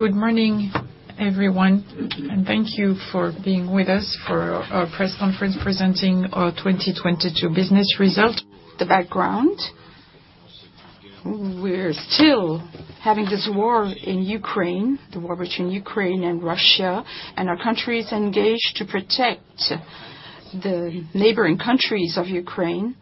Good morning, everyone, thank you for being with us for our press conference presenting our 2022 business result. The background, we're still having this war in Ukraine, the war between Ukraine and Russia. Our country is engaged to protect the neighboring countries of Ukraine,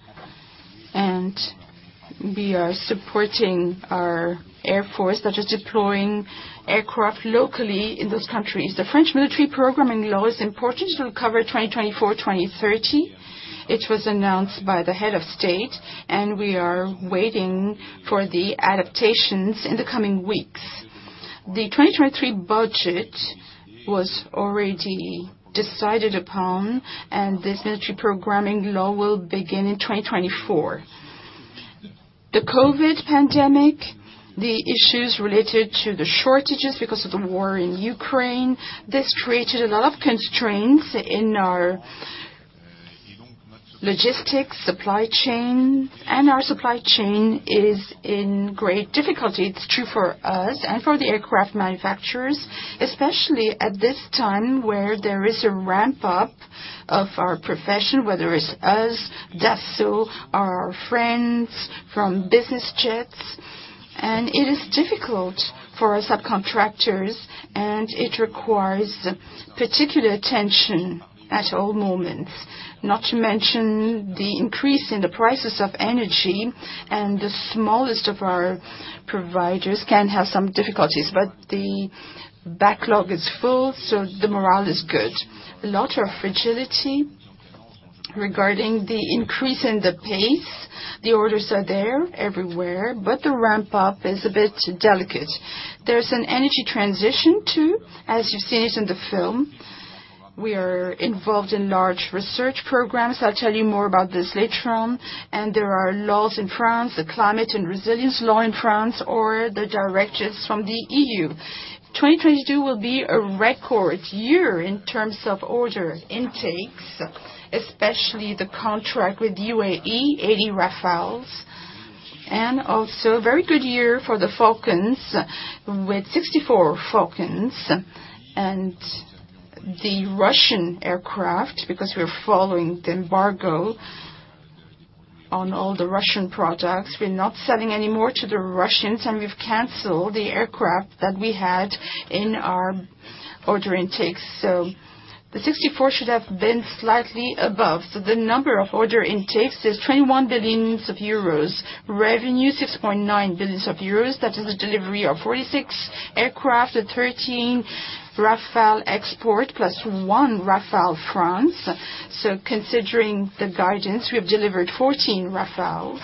we are supporting our Air Force, that is deploying aircraft locally in those countries. The French Military Programming Law is important. It will cover 2024, 2030. It was announced by the head of state, we are waiting for the adaptations in the coming weeks. The 2023 budget was already decided upon, this military programming law will begin in 2024. The COVID pandemic, the issues related to the shortages because of the war in Ukraine, this created a lot of constraints in our logistics, supply chain, and our supply chain is in great difficulty. It's true for us and for the aircraft manufacturers, especially at this time where there is a ramp up of our profession, whether it's us, Dassault, our friends from business jets. It is difficult for our subcontractors, and it requires particular attention at all moments. Not to mention the increase in the prices of energy, and the smallest of our providers can have some difficulties, but the backlog is full, so the morale is good. A lot of fragility regarding the increase in the pace. The orders are there everywhere, but the ramp up is a bit delicate. There's an energy transition, too, as you've seen it in the film. We are involved in large research programs. I'll tell you more about this later on. There are laws in France, the Climate and Resilience Law in France or the directives from the EU. 2022 will be a record year in terms of order intakes, especially the contract with UAE, 80 Rafales, and also a very good year for the Falcons, with 64 Falcons and the Russian aircraft, because we're following the embargo on all the Russian products. We're not selling any more to the Russians, and we've canceled the aircraft that we had in our order intakes. The 64 should have been slightly above. The number of order intakes is 21 billion euros. Revenue, 6.9 billion euros. That is a delivery of 46 aircraft at 13 Rafale export, plus 1 Rafale France. Considering the guidance, we have delivered 14 Rafales,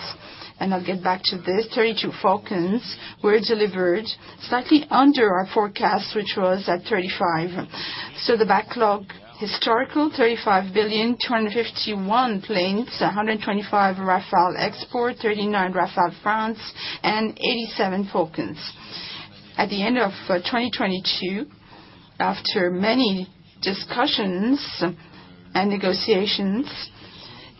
and I'll get back to this. 32 Falcons were delivered, slightly under our forecast, which was at 35. The backlog, historical, 35 billion, 251 planes, 125 Rafale export, 39 Rafale France, and 87 Falcons. At the end of 2022, after many discussions and negotiations,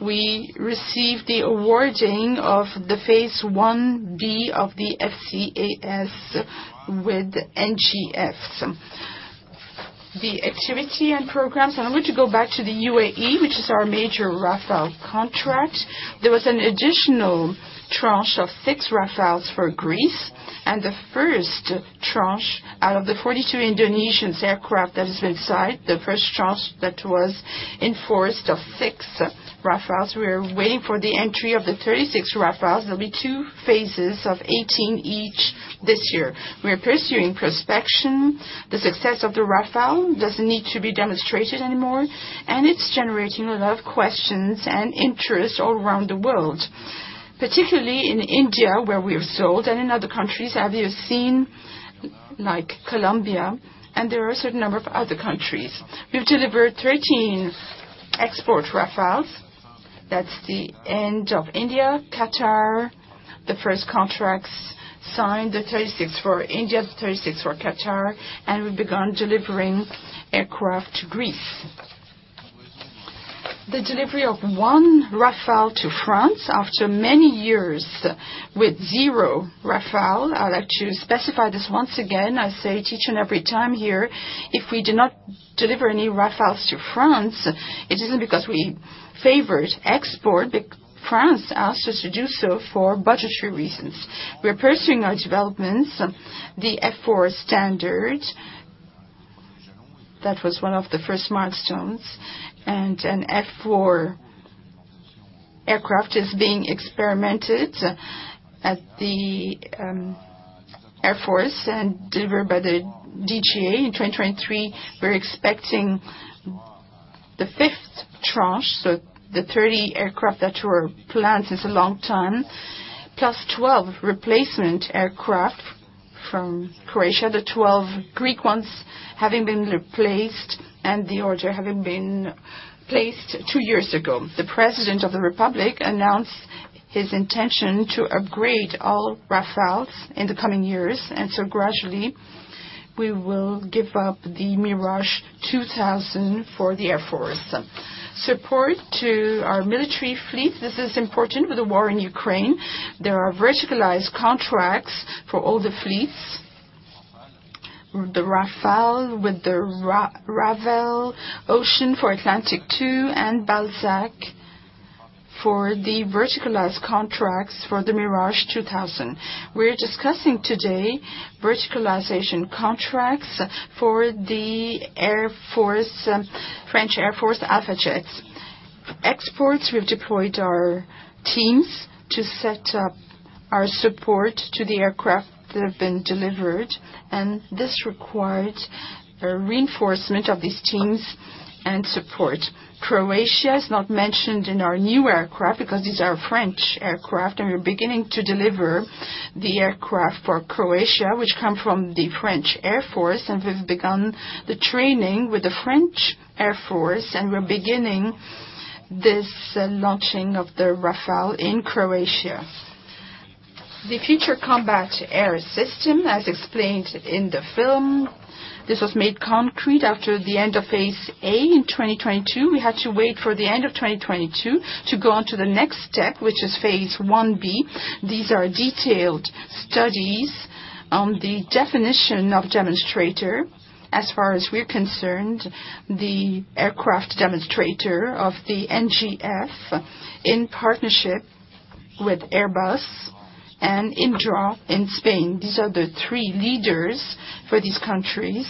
we received the awarding of the Phase 1B of the FCAS with NGFs. The activity and programs, I want to go back to the UAE, which is our major Rafale contract. There was an additional tranche of 6 Rafales for Greece, and the first tranche out of the 42 Indonesians aircraft that has been signed, the first tranche that was enforced of 6 Rafales. We are waiting for the entry of the 36 Rafales. There'll be 2 phases of 18 each this year. We are pursuing prospection. The success of the Rafale doesn't need to be demonstrated anymore, and it's generating a lot of questions and interest all around the world, particularly in India, where we have sold, and in other countries, have you seen, like Colombia, and there are a certain number of other countries. We've delivered 13 export Rafales. That's the end of India, Qatar, the first contracts signed, the 36 for India, the 36 for Qatar, and we've begun delivering aircraft to Greece. The delivery of one Rafale to France after many years with zero Rafale. I'd like to specify this once again, I say it each and every time here, if we do not deliver any Rafales to France, it isn't because we favored export, France asked us to do so for budgetary reasons. We're pursuing our developments, the F4 standard, that was one of the first milestones, and an F4 aircraft is being experimented at the Air Force and delivered by the DGA. In 2023, we're expecting the 5th tranche, so the 30 aircraft that were planned since a long time, plus 12 replacement aircraft from Croatia, the 12 Greek ones having been replaced and the order having been placed 2 years ago. The President of the Republic announced his intention to upgrade all Rafales in the coming years. Gradually, we will give up the Mirage 2000 for the Air Force. Support to our military fleet, this is important with the war in Ukraine. There are verticalized contracts for all the fleets, the Rafale with the Ravel, OCEAN for Atlantique 2, and BALZAC for the verticalized contracts for the Mirage 2000. We're discussing today verticalization contracts for the Air Force, French Air Force Alpha Jets. Exports, we've deployed our teams to set up our support to the aircraft that have been delivered, this required a reinforcement of these teams and support. Croatia is not mentioned in our new aircraft because these are French aircraft, we're beginning to deliver the aircraft for Croatia, which come from the French Air Force, we've begun the training with the French Air Force, we're beginning this launching of the Rafale in Croatia. The Future Combat Air System, as explained in the film, this was made concrete after the end of Phase A in 2022. We had to wait for the end of 2022 to go on to the next step, which is Phase 1B. These are detailed studies on the definition of demonstrator. As far as we're concerned, the aircraft demonstrator of the NGF, in partnership with Airbus and Indra in Spain. These are the three leaders for these countries,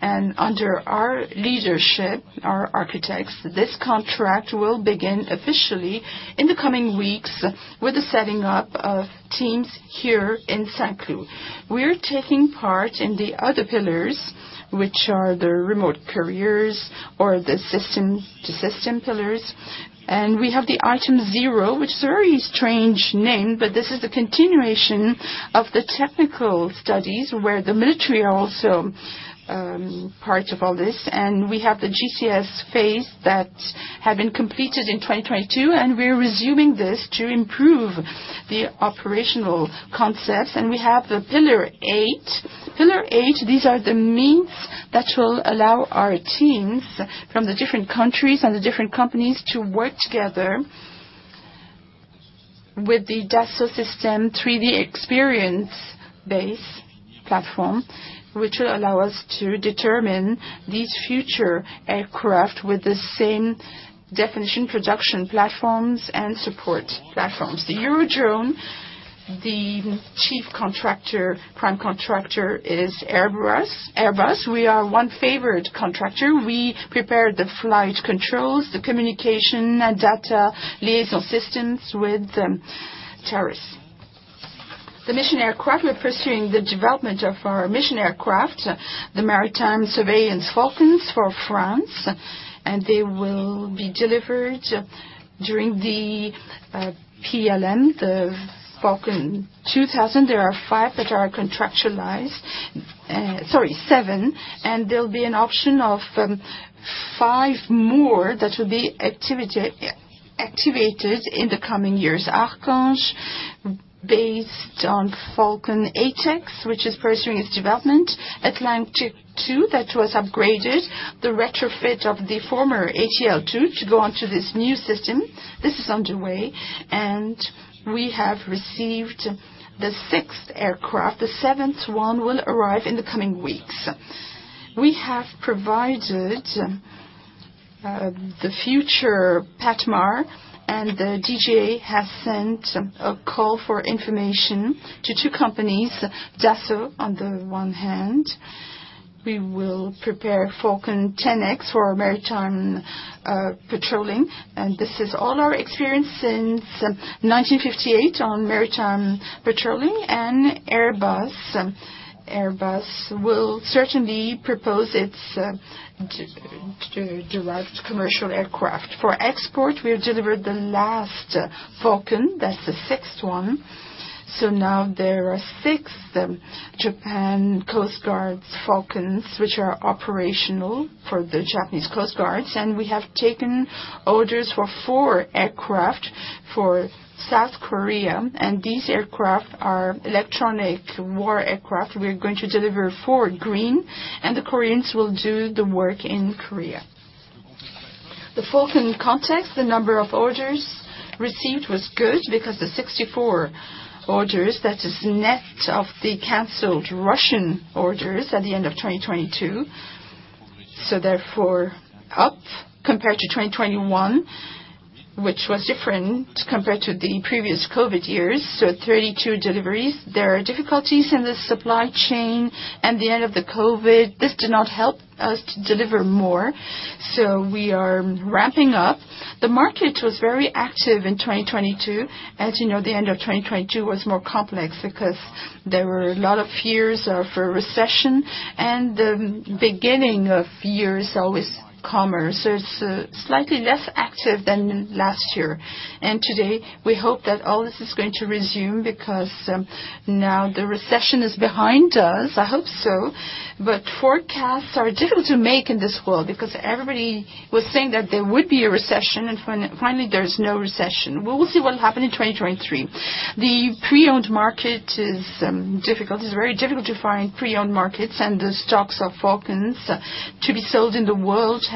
and under our leadership, our architects, this contract will begin officially in the coming weeks with the setting up of teams here in Saint-Cloud. We're taking part in the other pillars, which are the remote carriers or the system-to-system pillars. We have the Item 0, which is a very strange name, but this is the continuation of the technical studies, where the military are also part of all this. We have the GCS phase that had been completed in 2022, and we're resuming this to improve the operational concepts. We have the pillar eight. Pillar eight, these are the means that will allow our teams from the different countries and the different companies to work together with the Dassault Systèmes 3DEXPERIENCE-based platform, which will allow us to determine these future aircraft with the same definition, production platforms and support platforms. The Eurodrone, the chief contractor, prime contractor, is Airbus. Airbus, we are 1 favored contractor. We prepare the flight controls, the communication, data, liaison systems with terrorists. The mission aircraft, we're pursuing the development of our mission aircraft, the maritime surveillance Falcons for France. They will be delivered during the PLM, the Falcon 2000. There are 5 that are contractualized, sorry, 7. There'll be an option of 5 more that will be activated in the coming years. Archange, based on Falcon 8X, which is pursuing its development. Atlantique 2, that was upgraded. The retrofit of the former ATL2 to go on to this new system, this is underway, and we have received the 6th aircraft. The 7th one will arrive in the coming weeks. We have provided the future PATMAR, and the DGA has sent a call for information to two companies, Dassault, on the one hand. We will prepare Falcon 10X for our maritime patrolling, and this is all our experience since 1958 on maritime patrolling and Airbus. Airbus will certainly propose its derived commercial aircraft. For export, we have delivered the last Falcon. That's the 6th one. Now there are 6 Japan Coast Guards Falcons, which are operational for the Japan Coast Guard, and we have taken orders for 4 aircraft for South Korea, and these aircraft are electronic war aircraft. We are going to deliver 4 green, and the Koreans will do the work in Korea. The Falcon context, the number of orders received was good because the 64 orders, that is net of the canceled Russian orders at the end of 2022, so therefore, up compared to 2021, which was different compared to the previous Covid years, so 32 deliveries. There are difficulties in the supply chain and the end of the Covid. This did not help us to deliver more, so we are ramping up. The market was very active in 2022. As you know, the end of 2022 was more complex because there were a lot of fears for recession, and the beginning of year is always calmer. It's slightly less active than last year. Today, we hope that all this is going to resume because now the recession is behind us. I hope so. Forecasts are difficult to make in this world, because everybody was saying that there would be a recession, and finally, there's no recession. We will see what will happen in 2023. The pre-owned market is difficult. It's very difficult to find pre-owned markets, and the stocks of Falcons to be sold in the world have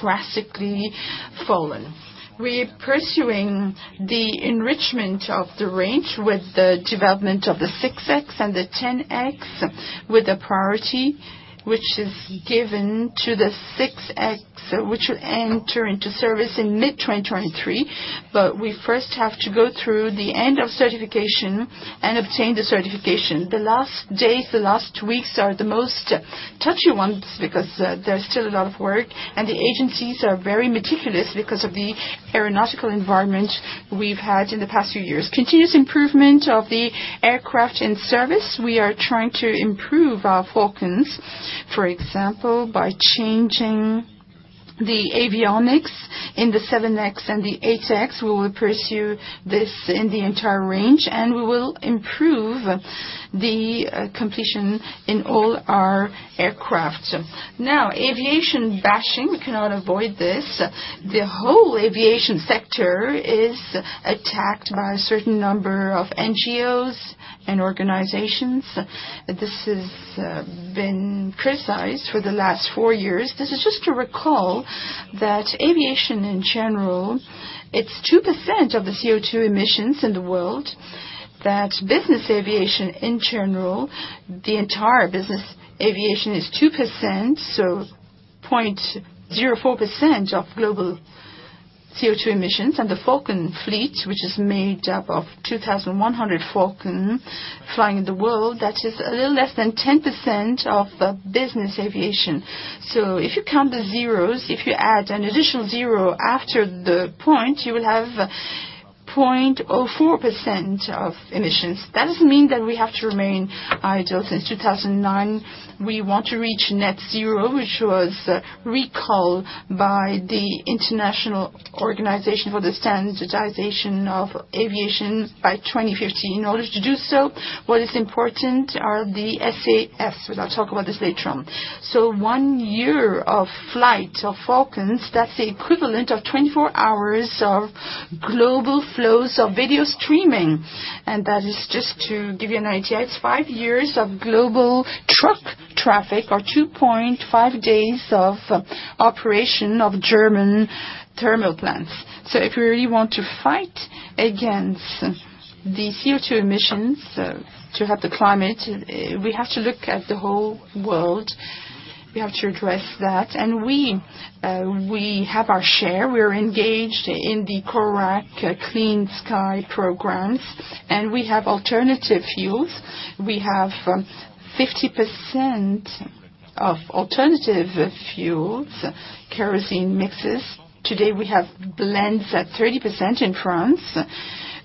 drastically fallen. We're pursuing the enrichment of the range with the development of the 6X and the 10X, with a priority which is given to the 6X, which will enter into service in mid-2023. We first have to go through the end of certification and obtain the certification. The last days, the last weeks, are the most touchy ones, because there's still a lot of work, and the agencies are very meticulous because of the aeronautical environment we've had in the past few years. Continuous improvement of the aircraft in service, we are trying to improve our Falcons, for example, by changing the avionics in the 7X and the 8X. We will pursue this in the entire range, and we will improve the completion in all our aircraft. Now, aviation bashing, we cannot avoid this. The whole aviation sector is attacked by a certain number of NGOs and organizations. This has been criticized for the last four years. This is just to recall that aviation, in general, it's 2% of the CO2 emissions in the world. Business aviation, in general, the entire business aviation is 2%, so 0.04% of global CO2 emissions. The Falcon fleet, which is made up of 2,100 Falcon flying in the world, that is a little less than 10% of the business aviation. If you count the zeros, if you add an additional zero after the point, you will have 0.04% of emissions. That doesn't mean that we have to remain idle. Since 2009, we want to reach net zero, which was recalled by the International Organization for the Standardization of Aviation by 2050. In order to do so, what is important are the SAF. I'll talk about this later on. One year of flight of Falcons, that's the equivalent of 24 hours of global flows of video streaming, and that is just to give you an idea. It's 5 years of global truck traffic or 2.5 days of operation of German thermal plants. If we really want to fight against the CO2 emissions, to help the climate, we have to look at the whole world. We have to address that, and we have our share. We are engaged in the CORAC Clean Sky programs, and we have alternative fuels. We have 50% of alternative fuels, kerosene mixes. Today, we have blends at 30% in France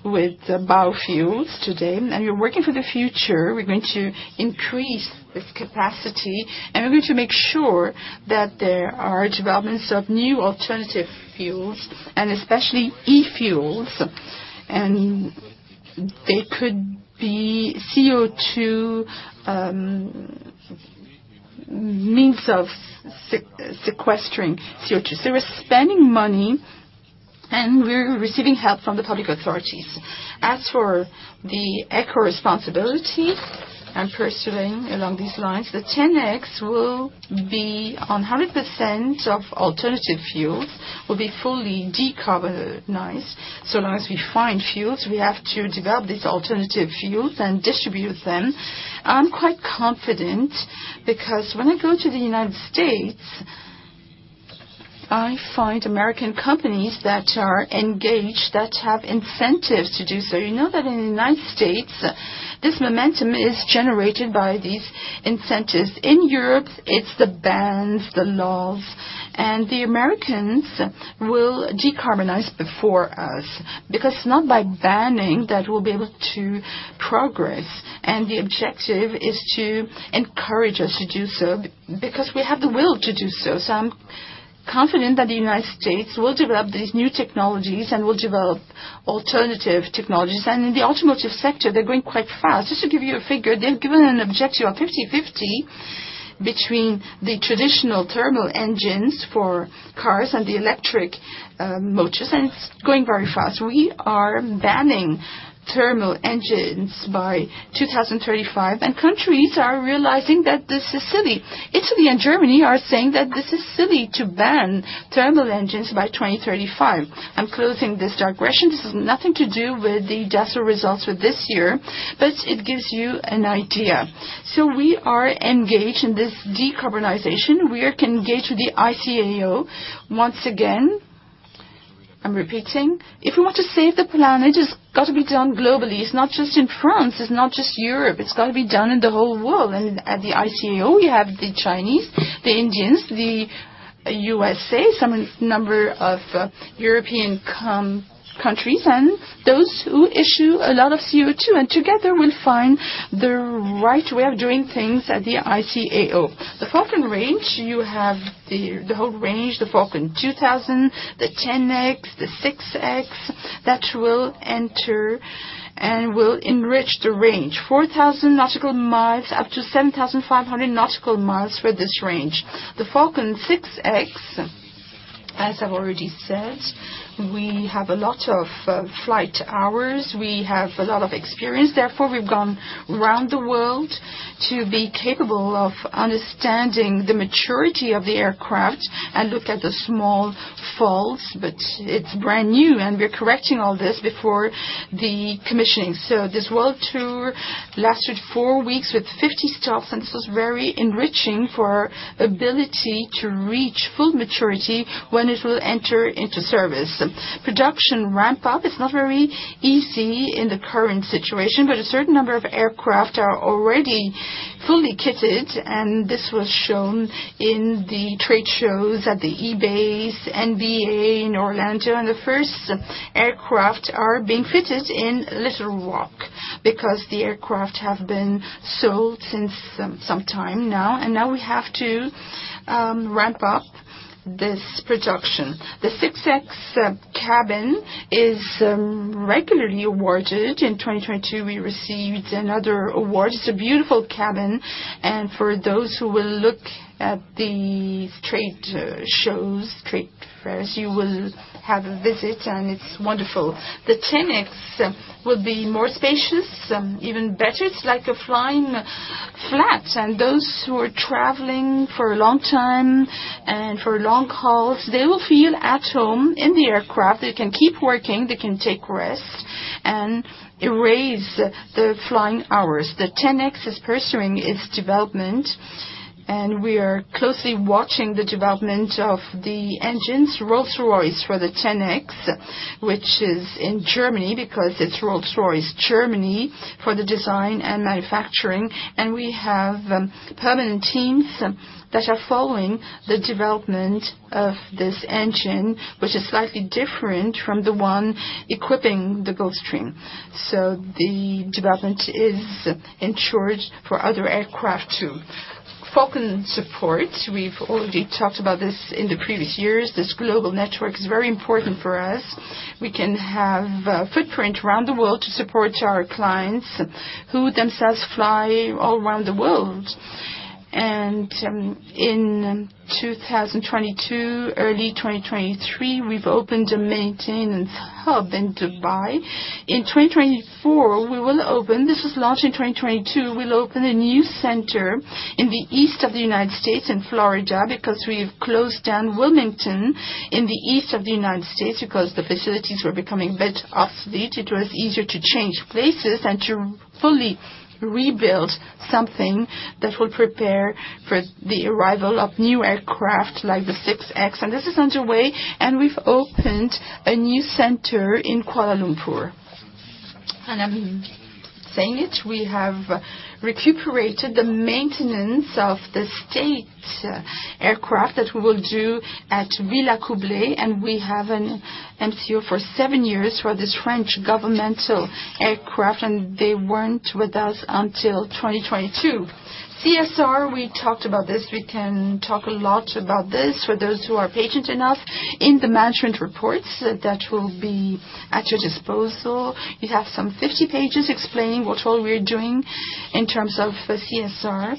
with biofuels today, and we're working for the future. We're going to increase this capacity, and we're going to make sure that there are developments of new alternative fuels and especially e-fuels, and they could be CO2 means of sequestering CO2. We're spending money, and we're receiving help from the public authorities. As for the eco-responsibility, I'm pursuing along these lines, the 10X will be 100% of alternative fuels, will be fully decarbonized. Long as we find fuels, we have to develop these alternative fuels and distribute them. I'm quite confident because when I go to the United States, I find American companies that are engaged, that have incentives to do so. You know that in the United States, this momentum is generated by these incentives. In Europe, it's the bans, the laws, the Americans will decarbonize before us, because it's not by banning that we'll be able to progress. The objective is to encourage us to do so, because we have the will to do so. I'm confident that the United States will develop these new technologies and will develop alternative technologies. In the automotive sector, they're going quite fast. Just to give you a figure, they've given an objective of 50/50 between the traditional thermal engines for cars and the electric motors, and it's going very fast. We are banning thermal engines by 2035, and countries are realizing that this is silly. Italy and Germany are saying that this is silly to ban thermal engines by 2035. I'm closing this digression. This has nothing to do with the Dassault results for this year, but it gives you an idea. We are engaged in this decarbonization. We are engaged with the ICAO. Once again, I'm repeating, if we want to save the planet, it's got to be done globally. It's not just in France, it's not just Europe, it's got to be done in the whole world. At the ICAO, we have the Chinese, the Indians, the USA, some number of European countries, those who issue a lot of CO2, together we'll find the right way of doing things at the ICAO. The Falcon range, you have the whole range, the Falcon 2000, the 10X, the 6X, that will enter and will enrich the range. 4,000 nautical miles, up to 7,500 nautical miles for this range. The Falcon 6X, as I've already said, we have a lot of flight hours. We have a lot of experience, therefore, we've gone round the world to be capable of understanding the maturity of the aircraft and look at the small faults, but it's brand new, and we're correcting all this before the commissioning. This world tour lasted 4 weeks with 50 stops, and this was very enriching for our ability to reach full maturity when it will enter into service. Production ramp-up is not very easy in the current situation, but a certain number of aircraft are already fully kitted, and this was shown in the trade shows at the EBACE, NBAA in Orlando, and the first aircraft are being fitted in Little Rock because the aircraft have been sold since some time now. Now we have to ramp up this production. The 6X cabin is regularly awarded. In 2022, we received another award. It's a beautiful cabin. For those who will look at the trade shows, trade fairs, you will have a visit, and it's wonderful. The 10X will be more spacious, even better. It's like a flying flat. Those who are traveling for a long time and for long hauls, they will feel at home in the aircraft. They can keep working, they can take rests, and erase the flying hours. The 10X is pursuing its development. We are closely watching the development of the engines. Rolls-Royce for the 10X, which is in Germany, because it's Rolls-Royce Deutschland for the design and manufacturing. We have permanent teams that are following the development of this engine, which is slightly different from the one equipping the Gulfstream. The development is insured for other aircraft, too. Falcon support, we've already talked about this in the previous years. This global network is very important for us. We can have a footprint around the world to support our clients, who themselves fly all around the world. In 2022, early 2023, we've opened a maintenance hub in Dubai. In 2024, we will open a new center in the east of the United States, in Florida, because we've closed down Wilmington in the east of the United States, because the facilities were becoming a bit obsolete. It was easier to change places and to fully rebuild something that will prepare for the arrival of new aircraft, like the 6X, and this is underway, and we've opened a new center in Kuala Lumpur. I'm saying it, we have recuperated the maintenance of the state aircraft that we will do at Villacoublay, and we have an MCO for seven years for this French governmental aircraft, and they weren't with us until 2022. CSR, we talked about this. We can talk a lot about this for those who are patient enough. In the management reports that will be at your disposal, you have some 50 pages explaining what all we're doing in terms of CSR.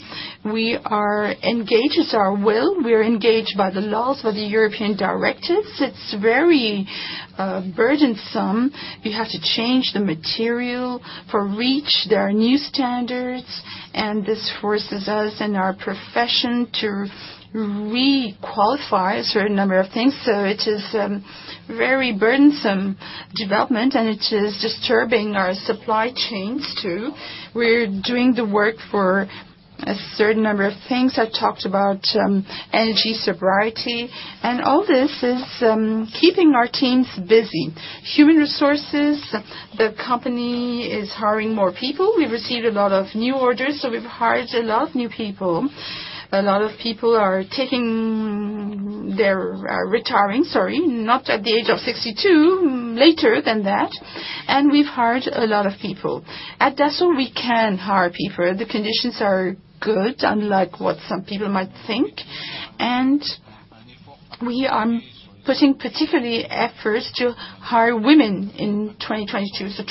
We are engaged, it's our will. We are engaged by the laws, by the European directives. It's very burdensome. We have to change the material for REACH. There are new standards, and this forces us and our profession to re-qualify a certain number of things, so it is very burdensome development, and it is disturbing our supply chains, too. We're doing the work for a certain number of things. I talked about energy sobriety, and all this is keeping our teams busy. Human resources, the company is hiring more people. We've received a lot of new orders, so we've hired a lot of new people. A lot of people are retiring, sorry, not at the age of 62, later than that, and we've hired a lot of people. At Dassault, we can hire people. The conditions are good, unlike what some people might think, and we are putting particularly efforts to hire women in 2022.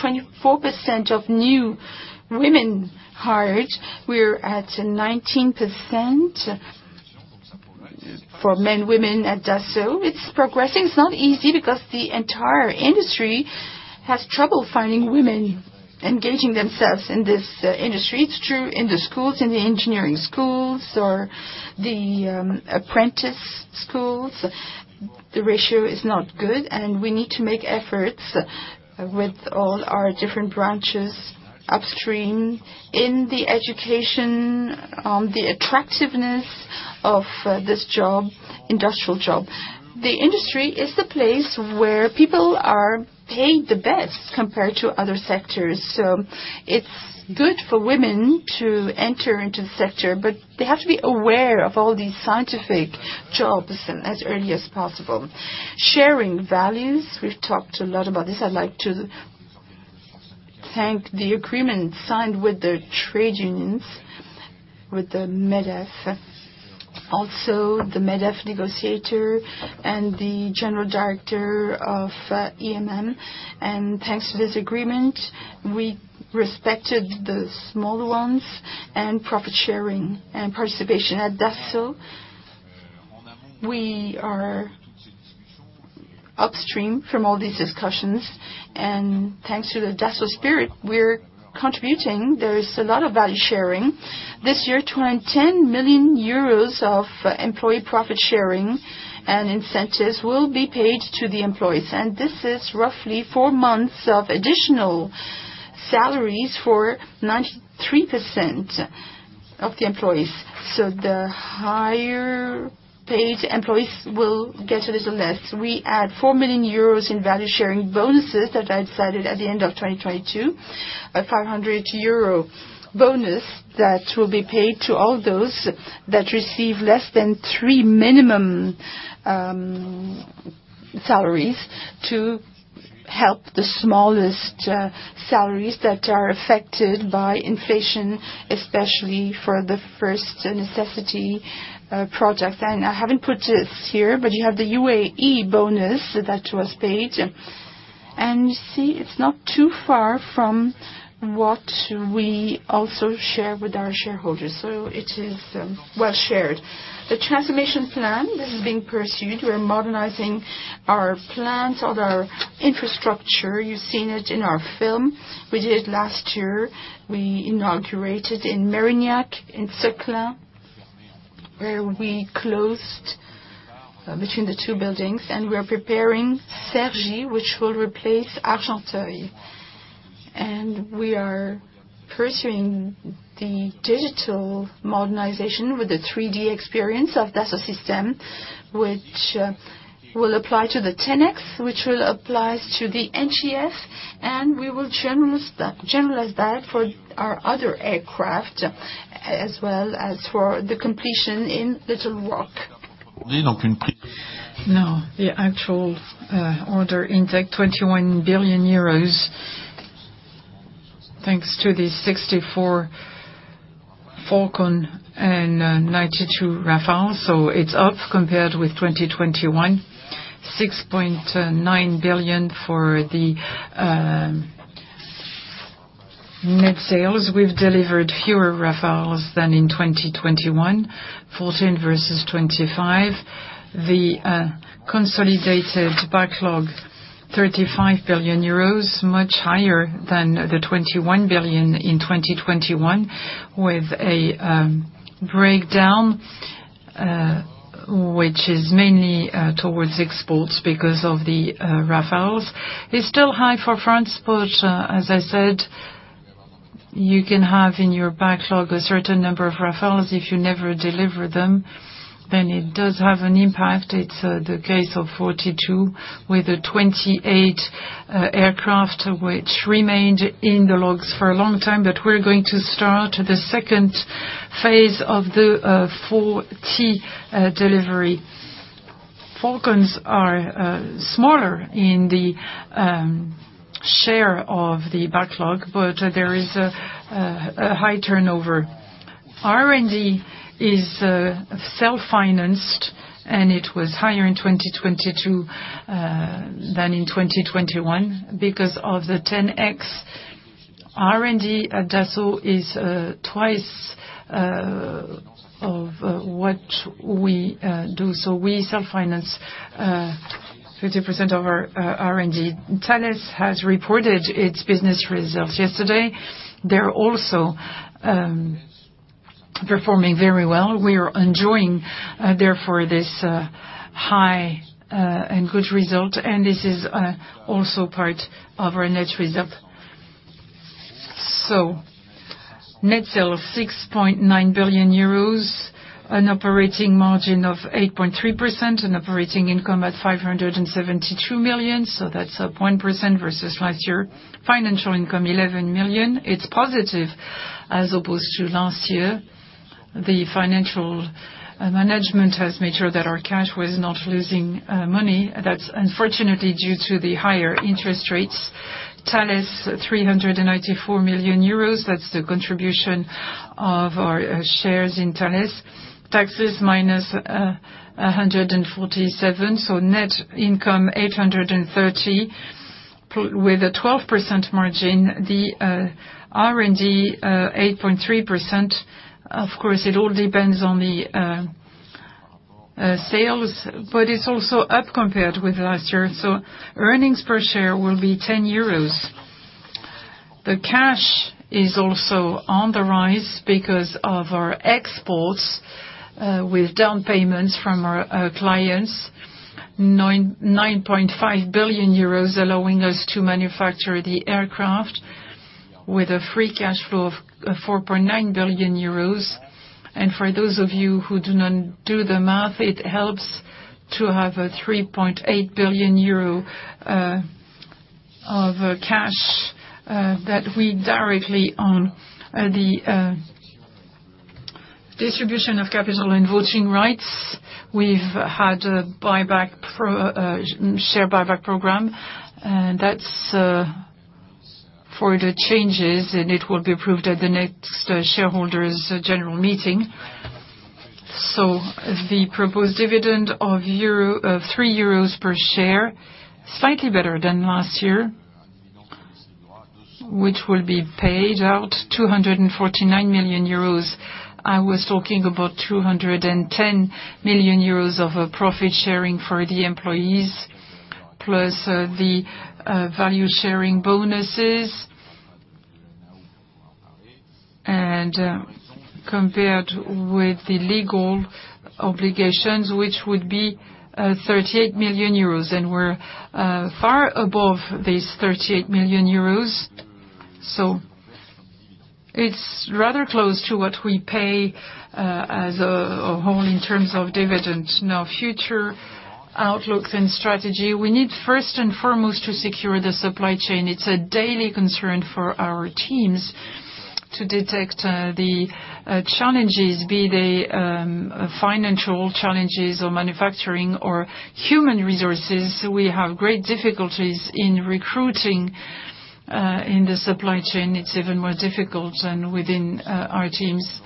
24% of new women hired, we're at 19% for men, women at Dassault. It's progressing. It's not easy because the entire industry has trouble finding women engaging themselves in this industry. It's true in the schools, in the engineering schools, or the apprentice schools. The ratio is not good, and we need to make efforts with all our different branches upstream in the education, the attractiveness of this job, industrial job. The industry is the place where people are paid the best compared to other sectors, so it's good for women to enter into the sector, but they have to be aware of all these scientific jobs, and as early as possible. Sharing values, we've talked a lot about this. I'd like to thank the agreement signed with the trade unions, with the MEDEF. Also, the MEDEF negotiator and the General Director of UIMM. Thanks to this agreement, we respected the small ones, and profit sharing and participation. At Dassault, we are upstream from all these discussions, and thanks to the Dassault spirit, we're contributing. There is a lot of value sharing. This year, twenty- ten million euros of employee profit sharing and incentives will be paid to the employees. This is roughly four months of additional salaries for 93% of the employees. The higher-paid employees will get a little less. We add 4 million euros in value sharing bonuses that I decided at the end of 2022, a 500 euro bonus that will be paid to all those that receive less than 3 minimum salaries, to help the smallest salaries that are affected by inflation, especially for the first necessity project. I haven't put this here, but you have the UAE bonus that was paid. You see, it's not too far from what we also share with our shareholders, so it is well shared. The transformation plan is being pursued. We are modernizing our plants, all our infrastructure. You've seen it in our film we did last year. We inaugurated in Mérignac, in Seclin, where we closed between the two buildings, and we are preparing Cergy, which will replace Argenteuil. We are pursuing the digital modernization with the 3DEXPERIENCE of Dassault Systèmes, which will apply to the 10X, which will applies to the NGF, and we will generalize that for our other aircraft, as well as for the completion in Little Rock. The actual order intake, 21 billion euros, thanks to the 64 Falcon and 92 Rafale, it's up compared with 2021. 6.9 billion for the net sales. We've delivered fewer Rafales than in 2021, 14 versus 25. The consolidated backlog, 35 billion euros, much higher than the 21 billion in 2021, with a breakdown which is mainly towards exports because of the Rafales. It's still high for France, as I said, you can have in your backlog a certain number of Rafales. If you never deliver them, it does have an impact. It's the case of 42, with the 28 aircraft, which remained in the logs for a long time. We're going to start the second phase of the 40 delivery. Falcons are smaller in the share of the backlog, but there is a high turnover. R&D is self-financed, and it was higher in 2022 than in 2021, because of the 10X. R&D at Dassault is twice of what we do, so we self-finance 50% of our R&D. Thales has reported its business results yesterday. They're also performing very well. We are enjoying therefore, this high and good result, and this is also part of our net result. Net sale of 6.9 billion euros, an operating margin of 8.3%, an operating income at 572 million, so that's 1% versus last year. Financial income, 11 million, it's positive as opposed to last year. The financial management has made sure that our cash was not losing money. That's unfortunately due to the higher interest rates. Thales, 394 million euros, that's the contribution of our shares in Thales. Taxes, minus 147. Net income, 830, with a 12% margin. The R&D 8.3%. Of course, it all depends on the sales. It's also up compared with last year. Earnings per share will be 10 euros. The cash is also on the rise because of our exports, with down payments from our clients, 9.5 billion euros, allowing us to manufacture the aircraft with a free cash flow of €4.9 billion. For those of you who do not do the math, it helps to have a €3.8 billion of cash that we directly own. The distribution of capital and voting rights, we've had a share buyback program, and that's for the changes, and it will be approved at the next shareholders general meeting. The proposed dividend of €3 per share, slightly better than last year, which will be paid out €249 million. I was talking about €210 million of profit sharing for the employees, plus the value sharing bonuses. Compared with the legal obligations, which would be €38 million, and we're far above this €38 million. It's rather close to what we pay as a whole in terms of dividends. Future outlooks and strategy, we need, first and foremost, to secure the supply chain. It's a daily concern for our teams to detect the challenges, be they financial challenges or manufacturing or human resources. We have great difficulties in recruiting. In the supply chain, it's even more difficult than within our teams.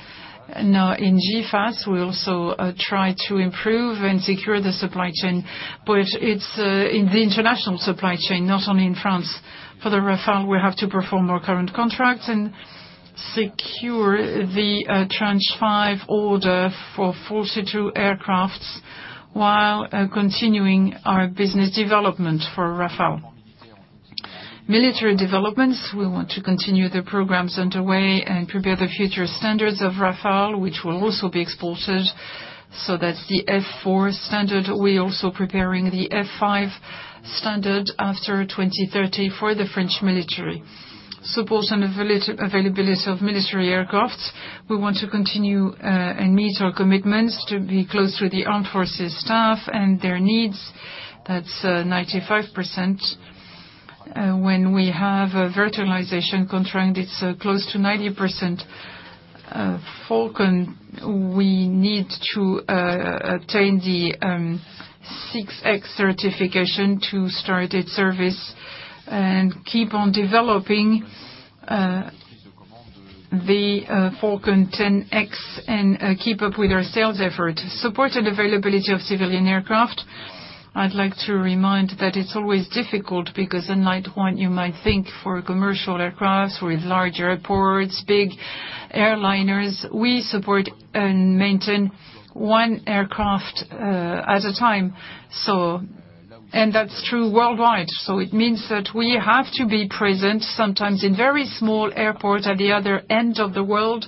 In FCAS, we also try to improve and secure the supply chain, but it's in the international supply chain, not only in France. For the Rafale, we have to perform our current contracts and secure the Tranche 5 order for 42 aircrafts, while continuing our business development for Rafale. Military developments, we want to continue the programs underway and prepare the future standards of Rafale, which will also be exported, that's the F4 standard. We're also preparing the F5 standard after 2030 for the French military. Support and availability of military aircraft, we want to continue and meet our commitments to be close to the armed forces staff and their needs. That's 95%. When we have a virtualization contract, it's close to 90%. Falcon, we need to attain the Falcon 6X certification to start its service and keep on developing the Falcon 10X and keep up with our sales effort. Support and availability of civilian aircraft, I'd like to remind that it's always difficult because unlike what you might think for commercial aircraft with large airports, big airliners, we support and maintain one aircraft at a time, so... That's true worldwide, so it means that we have to be present, sometimes in very small airports at the other end of the world.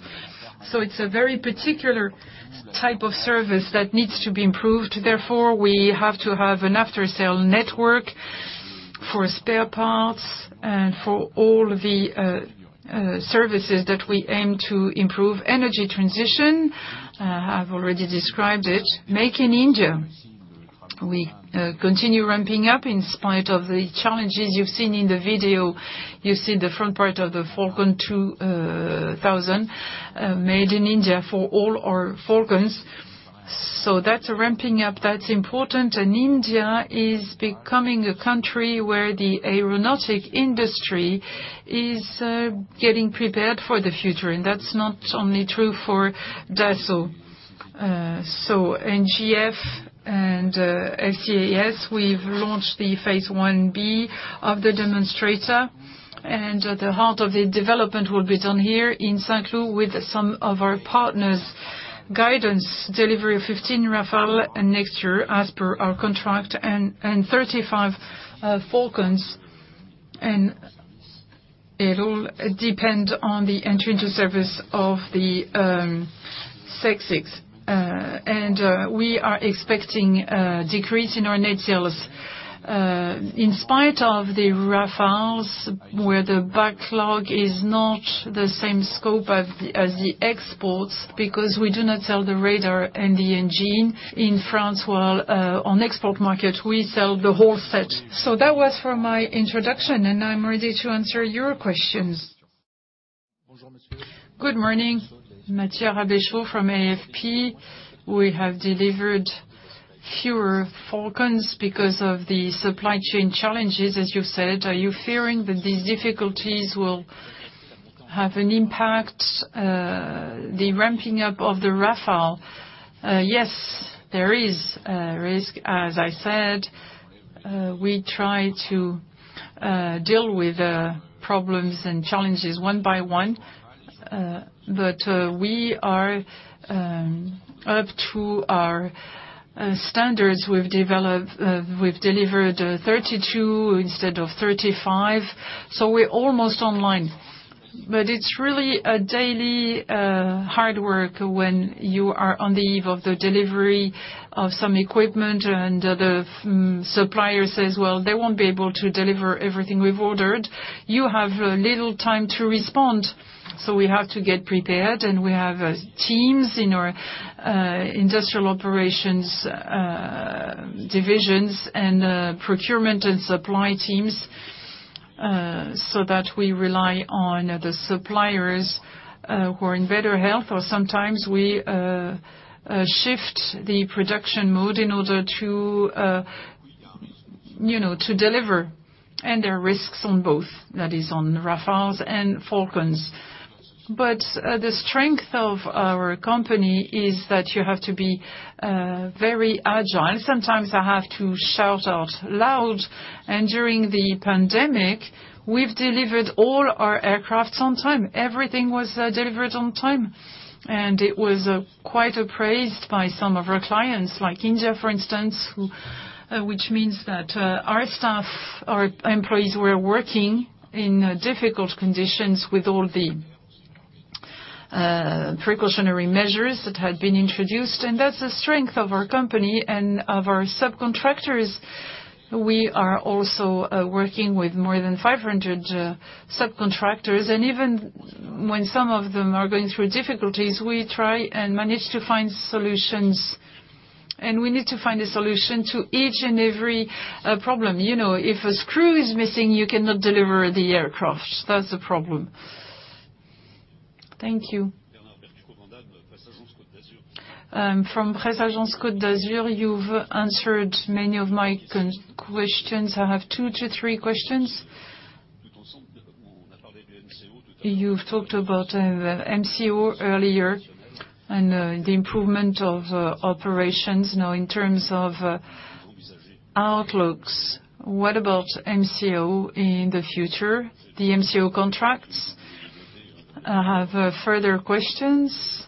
It's a very particular type of service that needs to be improved. We have to have an after-sale network for spare parts and for all the services that we aim to improve. Energy transition, I've already described it. Make in India, we continue ramping up in spite of the challenges you've seen in the video. You see the front part of the Falcon 2000 made in India for all our Falcons. That's a ramping up that's important, and India is becoming a country where the aeronautic industry is getting prepared for the future, and that's not only true for Dassault. NGF and FCAS, we've launched the Phase 1B of the demonstrator, and the heart of the development will be done here in Saint-Cloud with some of our partners. Guidance, delivery of 15 Rafale next year as per our contract, and 35 Falcons, it all depend on the entry into service of the 6X. We are expecting a decrease in our net sales in spite of the Rafales, where the backlog is not the same scope as the exports, because we do not sell the radar and the engine in France, while on export market, we sell the whole set. That was for my introduction, I'm ready to answer your questions. Good morning, Mathieu Rabechault from AFP. We have delivered fewer Falcons because of the supply chain challenges, as you said. Are you fearing that these difficulties will have an impact the ramping up of the Rafale? Yes, there is a risk. As I said, we try to deal with the problems and challenges one by one. We are up to our standards. We've delivered 32 instead of 35, we're almost online. It's really a daily hard work when you are on the eve of the delivery of some equipment, and the supplier says, well, they won't be able to deliver everything we've ordered. You have little time to respond, so we have to get prepared, and we have teams in our industrial operations divisions and procurement and supply teams so that we rely on the suppliers who are in better health, or sometimes we shift the production mode in order to, you know, to deliver. There are risks on both. That is on Rafales and Falcons. The strength of our company is that you have to be very agile. Sometimes I have to shout out loud, and during the pandemic, we've delivered all our aircraft on time. Everything was delivered on time, and it was quite appraised by some of our clients, like India, for instance, which means that our staff, our employees were working in difficult conditions with all the precautionary measures that had been introduced. That's the strength of our company and of our subcontractors. We are also working with more than 500 subcontractors, and even when some of them are going through difficulties, we try and manage to find solutions, and we need to find a solution to each and every problem. You know, if a screw is missing, you cannot deliver the aircraft. That's a problem. Thank you. From Presse Agence Cote d'Azur, you've answered many of my questions. I have two to three questions. You've talked about MCO earlier and the improvement of operations. In terms of outlooks, what about MCO in the future? The MCO contracts? I have further questions.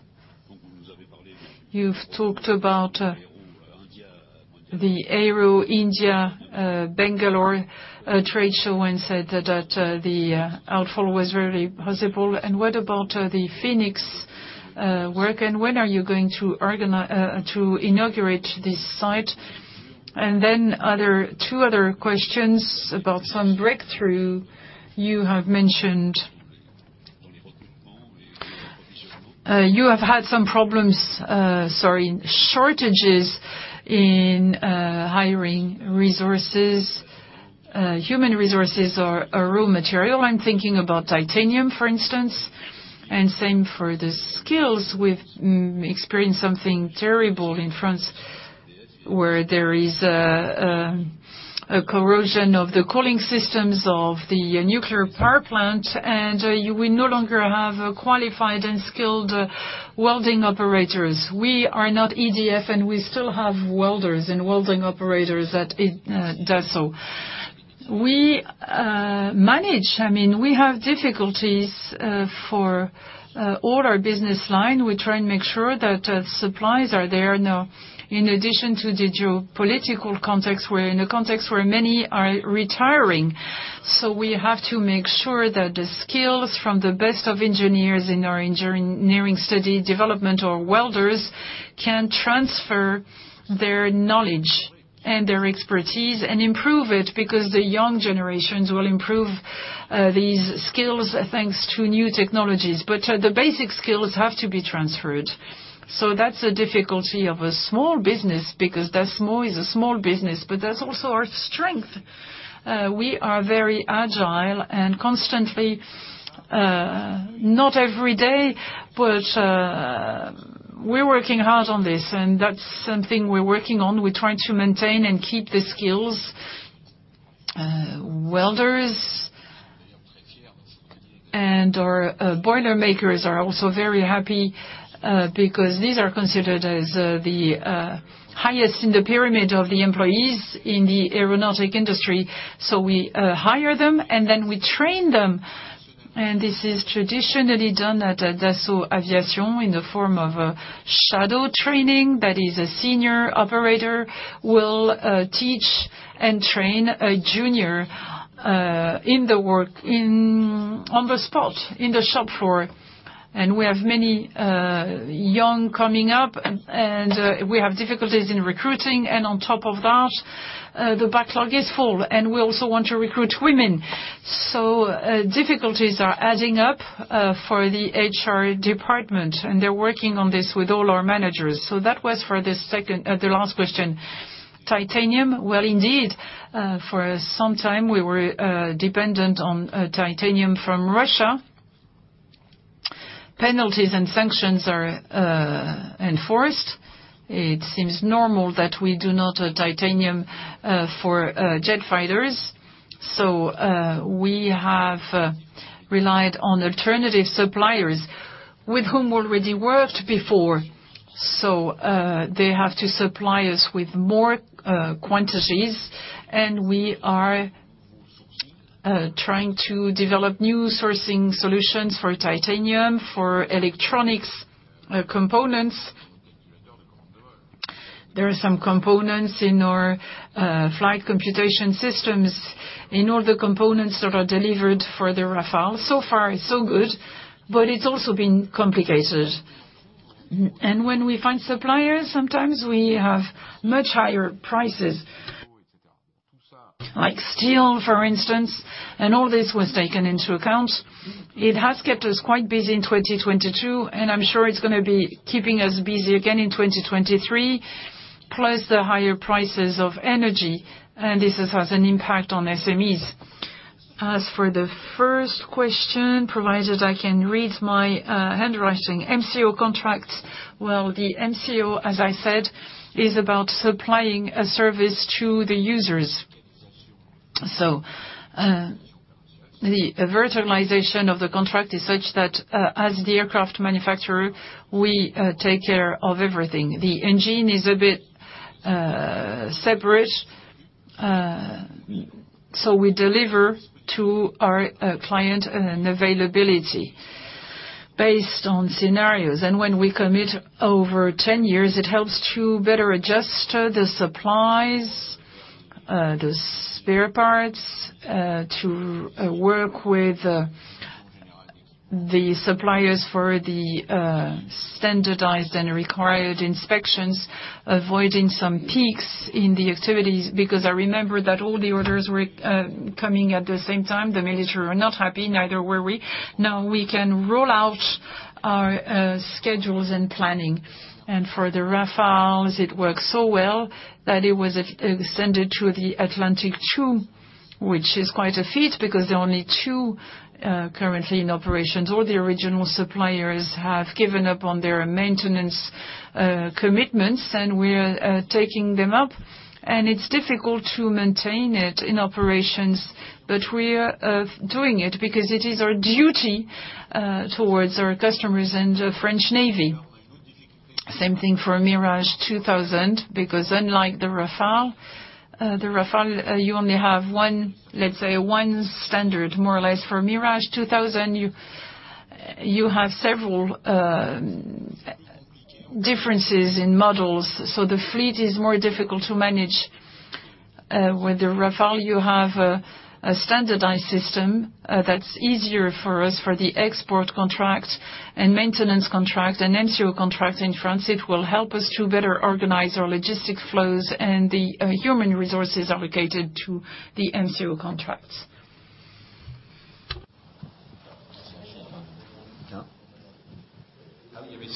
You've talked about the Aero India, Bangalore trade show and said that the outflow was very possible. What about the Phoenix work, and when are you going to inaugurate this site? Two other questions about some breakthrough. You have mentioned, you have had some problems, sorry, shortages in hiring resources, human resources or a raw material. I'm thinking about titanium, for instance, and same for the skills. We've experienced something terrible in France, where there is a corrosion of the cooling systems of the nuclear power plant, and you will no longer have qualified and skilled welding operators. We are not EDF, and we still have welders and welding operators at Dassault. We manage, I mean, we have difficulties for all our business line. We try and make sure that supplies are there. Now, in addition to the geopolitical context, we're in a context where many are retiring, so we have to make sure that the skills from the best of engineers in our engineering study development or welders can transfer their knowledge and their expertise and improve it, because the young generations will improve these skills, thanks to new technologies. The basic skills have to be transferred. That's a difficulty of a small business, because Dassault is a small business, but that's also our strength. We are very agile and constantly, not every day, but we're working hard on this, and that's something we're working on. We're trying to maintain and keep the skills. Welders and our boilermakers are also very happy, because these are considered as the highest in the pyramid of the employees in the aeronautic industry. We hire them, and then we train them, and this is traditionally done at Dassault Aviation in the form of a shadow training. That is, a senior operator will teach and train a junior in the work, in, on the spot, in the shop floor. We have many young coming up, and we have difficulties in recruiting, and on top of that, the backlog is full, and we also want to recruit women. Difficulties are adding up for the HR department, and they're working on this with all our managers. That was for the second, the last question. Titanium? Well, indeed, for some time, we were dependent on titanium from Russia. Penalties and sanctions are in force. It seems normal that we do not titanium for jet fighters, so we have relied on alternative suppliers with whom we already worked before, so they have to supply us with more quantities. We are trying to develop new sourcing solutions for titanium, for electronics, components. There are some components in our flight computation systems, in all the components that are delivered for the Rafale. So far, so good, but it's also been complicated. When we find suppliers, sometimes we have much higher prices, like steel, for instance, and all this was taken into account. It has kept us quite busy in 2022, and I'm sure it's gonna be keeping us busy again in 2023, plus the higher prices of energy, and this has had an impact on SMEs. As for the first question, provided I can read my handwriting, MCO contracts. Well, the MCO, as I said, is about supplying a service to the users. The virtualization of the contract is such that, as the aircraft manufacturer, we take care of everything. The engine is a bit separate, so we deliver to our client an availability based on scenarios. When we commit over 10 years, it helps to better adjust the supplies, the spare parts, to work with the suppliers for the standardized and required inspections, avoiding some peaks in the activities, because I remember that all the orders were coming at the same time. The military were not happy, neither were we. We can roll out our schedules and planning, and for the Rafales, it works so well that it was extended to the Atlantique 2, which is quite a feat, because there are only 2 currently in operations. All the original suppliers have given up on their maintenance commitments. We're taking them up, and it's difficult to maintain it in operations. We are doing it because it is our duty towards our customers and the French Navy. Same thing for Mirage 2000, because unlike the Rafale, the Rafale, you only have one, let's say, one standard, more or less. For Mirage 2000, you have several differences in models. The fleet is more difficult to manage. With the Rafale, you have a standardized system that's easier for us for the export contracts and maintenance contracts and MCO contracts in France. It will help us to better organize our logistic flows. The human resources are allocated to the MCO contracts.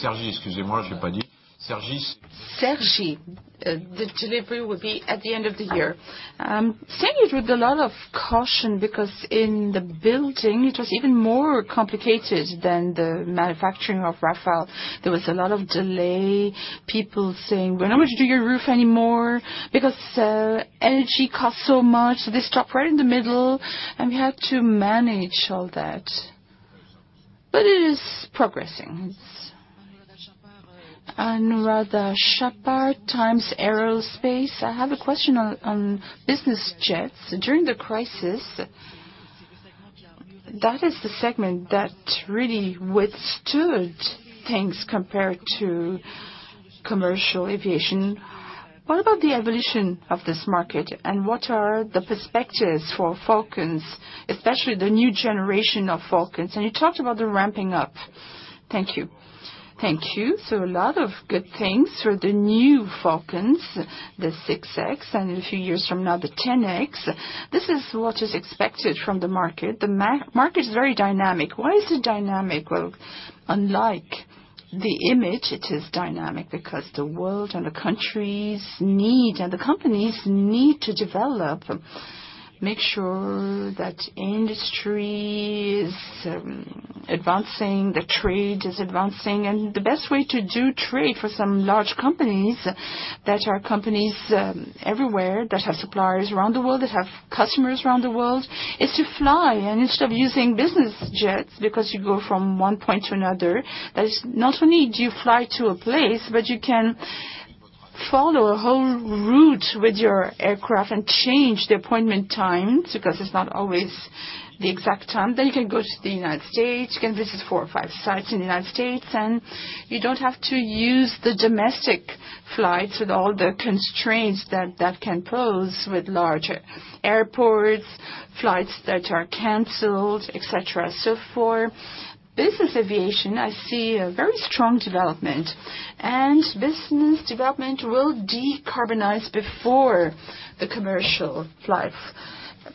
Cergy- Cergy, the delivery will be at the end of the year. Saying it with a lot of caution, because in the building, it was even more complicated than the manufacturing of Rafale. There was a lot of delay, people saying, "We're not going to do your roof anymore, because energy costs so much." They stopped right in the middle, and we had to manage all that. It is progressing. Anuradha Chappar, Times Aerospace. I have a question on business jets. During the crisis, that is the segment that really withstood things compared to commercial aviation. What about the evolution of this market, and what are the perspectives for Falcons, especially the new generation of Falcons? You talked about the ramping up. Thank you. Thank you. A lot of good things for the new Falcons, the 6X, and in a few years from now, the 10X. This is what is expected from the market. The market is very dynamic. Why is it dynamic? Well, unlike the image, it is dynamic because the world and the countries need, and the companies need to develop, make sure that industry is advancing, the trade is advancing. The best way to do trade for some large companies, that are companies everywhere, that have suppliers around the world, that have customers around the world, is to fly. Instead of using business jets, because you go from 1 point to another, that is, not only do you fly to a place, but you can follow a whole route with your aircraft and change the appointment times, because it's not always the exact time. You can go to the United States, you can visit 4 or 5 sites in the United States, and you don't have to use the domestic flights with all the constraints that that can pose with large airports, flights that are canceled, et cetera. For business aviation, I see a very strong development, and business development will decarbonize before the commercial flights.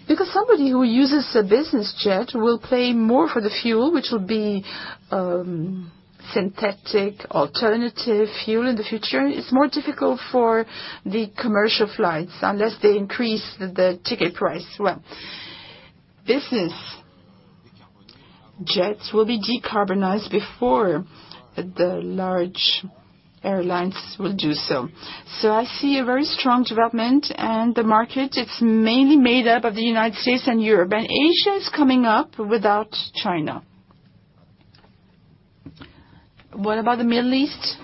Because somebody who uses a business jet will pay more for the fuel, which will be synthetic, alternative fuel in the future. It's more difficult for the commercial flights, unless they increase the ticket price. Business jets will be decarbonized before the large airlines will do so. I see a very strong development, and the market, it's mainly made up of the United States and Europe, and Asia is coming up without China. What about the Middle East?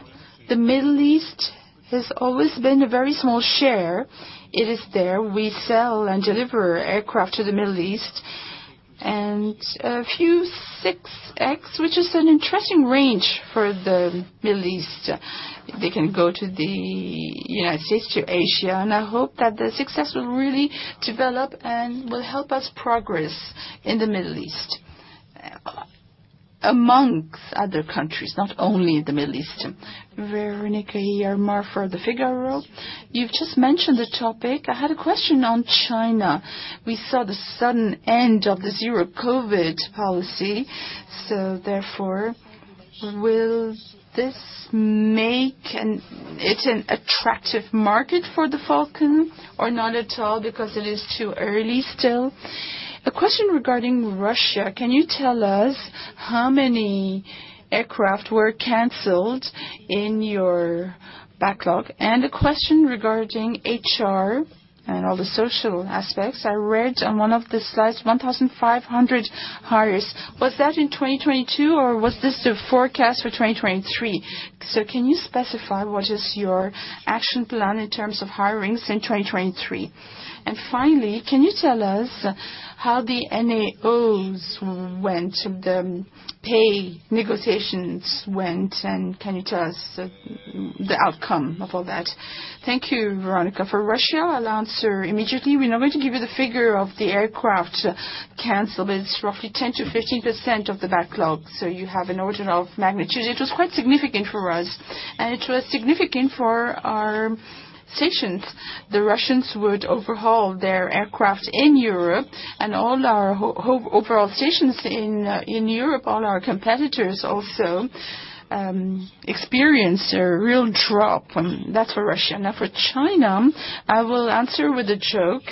The Middle East has always been a very small share. It is there. We sell and deliver aircraft to the Middle East. A few Falcon 6X, which is an interesting range for the Middle East. They can go to the United States, to Asia, and I hope that the success will really develop and will help us progress in the Middle East, amongst other countries, not only in the Middle East. Véronique, here, Marfor, Le Figaro. You've just mentioned the topic. I had a question on China. We saw the sudden end of the zero-COVID policy, so therefore, will this make it an attractive market for the Falcon, or not at all because it is too early still? A question regarding Russia: Can you tell us how many aircraft were canceled in your backlog? A question regarding HR and all the social aspects. I read on one of the slides, 1,500 hires. Was that in 2022, or was this the forecast for 2023? Can you specify what is your action plan in terms of hirings in 2023? Finally, can you tell us how the NAOs went, the pay negotiations went, and can you tell us the outcome of all that? Thank you, Veronica. For Russia, I'll answer immediately. We're not going to give you the figure of the aircraft canceled. It's roughly 10%-15% of the backlog, so you have an order of magnitude. It was quite significant for us, and it was significant for our stations. The Russians would overhaul their aircraft in Europe and all our overall stations in Europe, all our competitors also experienced a real drop, and that's for Russia. For China, I will answer with a joke.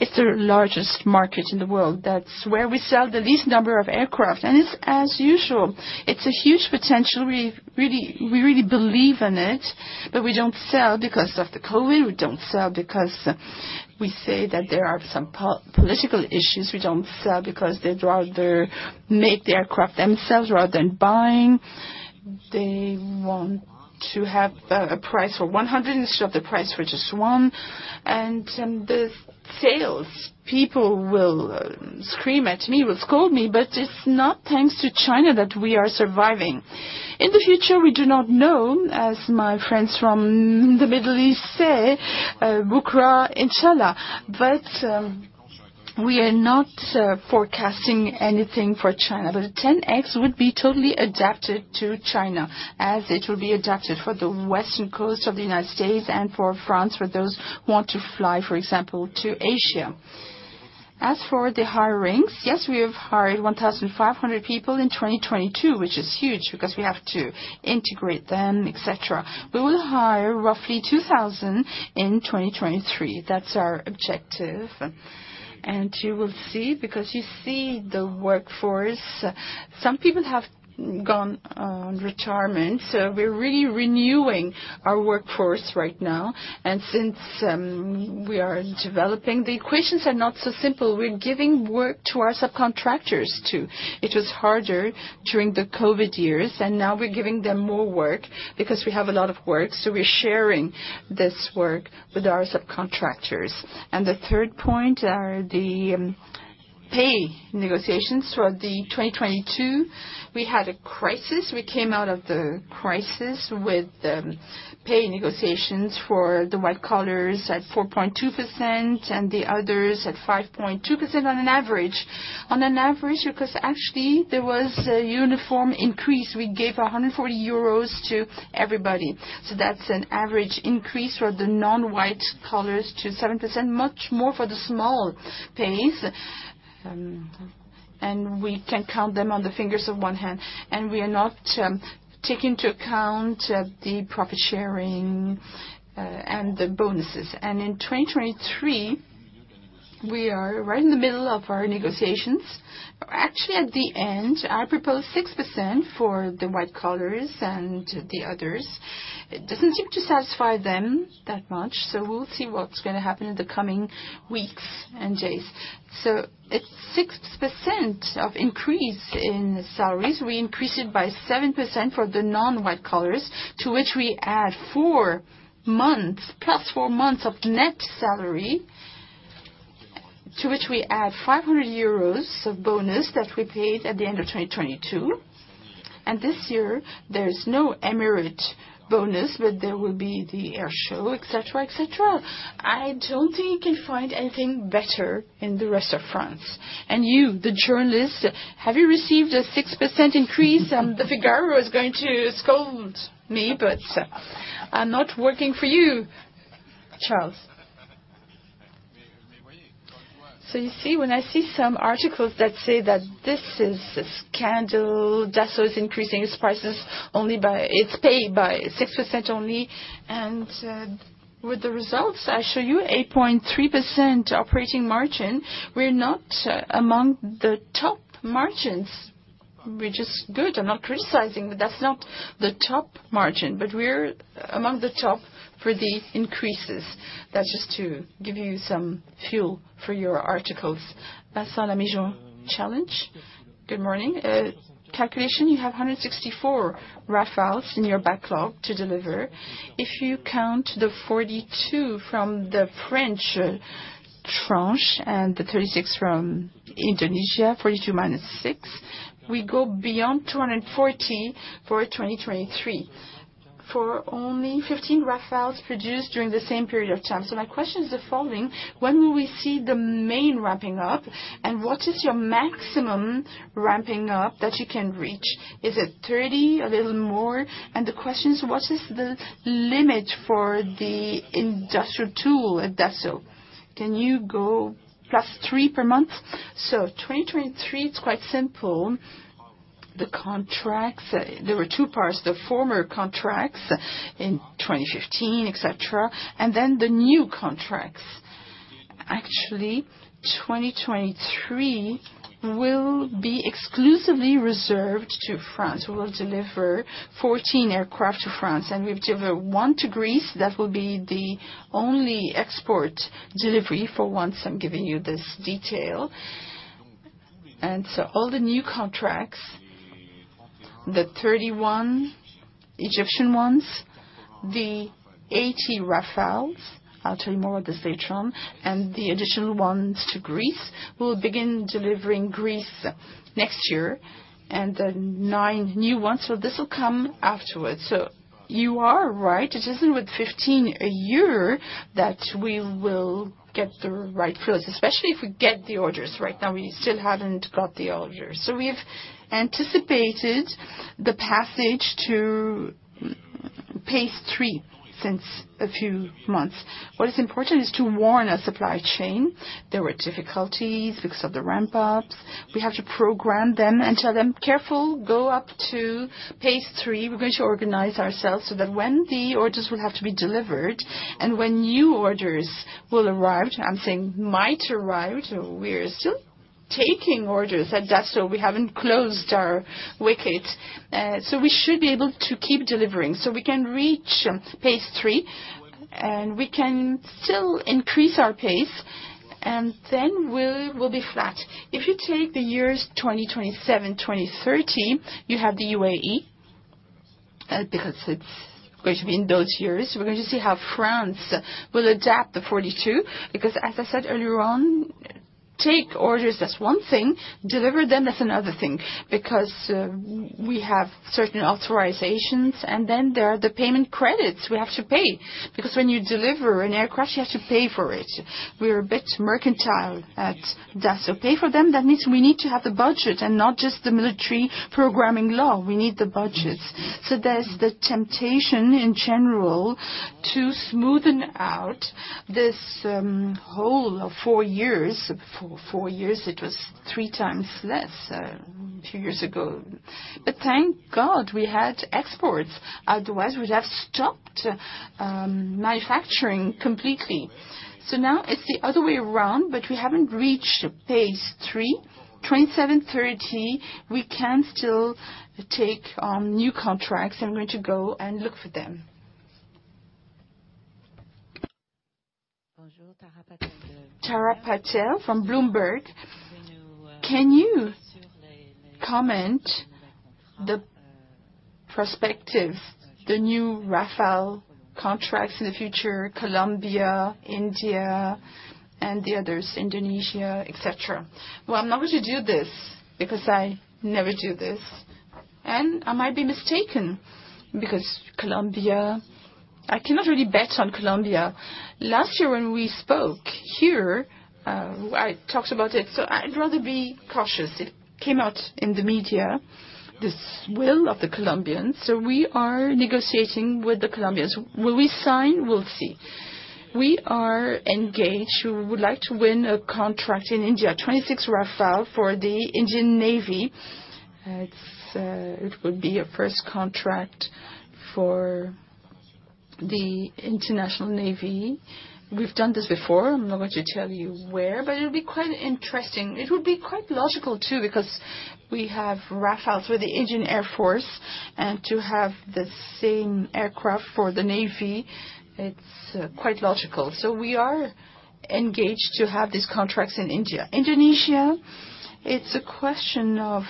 It's the largest market in the world. That's where we sell the least number of aircraft, and it's as usual. It's a huge potential. We really believe in it. We don't sell because of the COVID. We don't sell because we say that there are some political issues. We don't sell because they'd rather make the aircraft themselves rather than buying. They want to have a price for 100 instead of the price for just 1. The sales people will scream at me, will scold me, but it's not thanks to China that we are surviving. In the future, we do not know, as my friends from the Middle East say, bukra inshallah. We are not forecasting anything for China. The 10X would be totally adapted to China, as it will be adapted for the western coast of the United States and for France, for those who want to fly, for example, to Asia. As for the hirings, yes, we have hired 1,500 people in 2022, which is huge because we have to integrate them, et cetera. We will hire roughly 2,000 in 2023. That's our objective. You will see, because you see the workforce, some people have gone on retirement, so we're really renewing our workforce right now. Since we are developing, the equations are not so simple. We're giving work to our subcontractors, too. It was harder during the COVID years, and now we're giving them more work because we have a lot of work, so we're sharing this work with our subcontractors. The third point are the pay negotiations. Throughout 2022, we had a crisis. We came out of the crisis with, pay negotiations for the white collars at 4.2% and the others at 5.2% on an average. On an average, because actually, there was a uniform increase. We gave 140 euros to everybody. So that's an average increase for the non-white collars to 7%, much more for the small pennies, and we can count them on the fingers of one hand, and we are not, taking into account the profit sharing, and the bonuses. In 2023, we are right in the middle of our negotiations. Actually, at the end, I propose 6% for the white collars and the others. It doesn't seem to satisfy them that much, so we'll see what's going to happen in the coming weeks and days. It's 6% of increase in salaries. We increase it by 7% for the non-white collars, to which we add 4 months, plus 4 months of net salary, to which we add 500 euros of bonus that we paid at the end of 2022. This year, there is no emirate bonus, but there will be the air show, et cetera, et cetera. I don't think you can find anything better in the rest of France. You, the journalists, have you received a 6% increase? Le Figaro is going to scold me, I'm not working for you, Charles. You see, when I see some articles that say that this is a scandal, Dassault is increasing its pay by 6% only, with the results, I show you 8.3% operating margin. We're not among the top margins, which is good. I'm not criticizing, but that's not the top margin, but we're among the top for the increases. That's just to give you some fuel for your articles. Vincent Lamigeon, Challenges. Good morning. Calculation, you have 164 Rafales in your backlog to deliver. If you count the 42 from France and the 36 from Indonesia, 42 minus 6, we go beyond 240 for 2023, for only 15 Rafales produced during the same period of time. My question is the following: when will we see the main ramping up, and what is your maximum ramping up that you can reach? Is it 30, a little more? The question is, what is the limit for the industrial tool at Dassault? Can you go plus 3 per month? 2023, it's quite simple. The contracts, there were two parts, the former contracts in 2015, et cetera, and then the new contracts. Actually, 2023 will be exclusively reserved to France. We will deliver 14 aircraft to France, and we've delivered 1 to Greece. That will be the only export delivery. For once, I'm giving you this detail. All the new contracts, the 31 Egyptian ones, the 80 Rafales, I'll tell you more about this later on, and the additional ones to Greece, we'll begin delivering Greece next year, and the 9 new ones, this will come afterwards. You are right, it isn't with 15 a year that we will get the right flows, especially if we get the orders. Right now, we still haven't got the orders. We've anticipated the passage to phase 3 since a few months. What is important is to warn our supply chain. There were difficulties because of the ramp-ups. We have to program them and tell them, "Careful, go up to phase 3." We're going to organize ourselves so that when the orders will have to be delivered and when new orders will arrive, I'm saying might arrive, we are still taking orders at Dassault. We haven't closed our wicket, we should be able to keep delivering. We can reach phase 3, and we can still increase our pace, and then we will be flat. If you take the years 2027, 2030, you have the UAE, because it's going to be in those years. We're going to see how France will adapt the 42, because as I said earlier on, take orders, that's one thing. Deliver them, that's another thing, because we have certain authorizations, and then there are the payment credits we have to pay, because when you deliver an aircraft, you have to pay for it. We're a bit mercantile at Dassault. Pay for them, that means we need to have the budget and not just the military programming law. We need the budgets. There's the temptation, in general, to smoothen out this whole of 4 years. For 4 years, it was 3 times less a few years ago. Thank God we had exports. Otherwise, we'd have stopped manufacturing completely. Now it's the other way around, but we haven't reached phase 3. 27, 30, we can still take on new contracts. I'm going to go and look for them. Bonjour, Tara Patel from Bloomberg. Can you comment the prospective, the new Rafale contracts in the future, Colombia, India, and the others, Indonesia, et cetera? Well, I'm not going to do this because I never do this, and I might be mistaken because Colombia, I cannot really bet on Colombia. Last year, when we spoke here, I talked about it. I'd rather be cautious. It came out in the media, this will of the Colombians. We are negotiating with the Colombians. Will we sign? We'll see. We are engaged. We would like to win a contract in India, 26 Rafale for the Indian Navy. It would be a first contract for the international navy. We've done this before. I'm not going to tell you where. It'll be quite interesting. It would be quite logical, too, because we have Rafales with the Indian Air Force. To have the same aircraft for the Navy, it's quite logical. We are engaged to have these contracts in India. Indonesia, it's a question of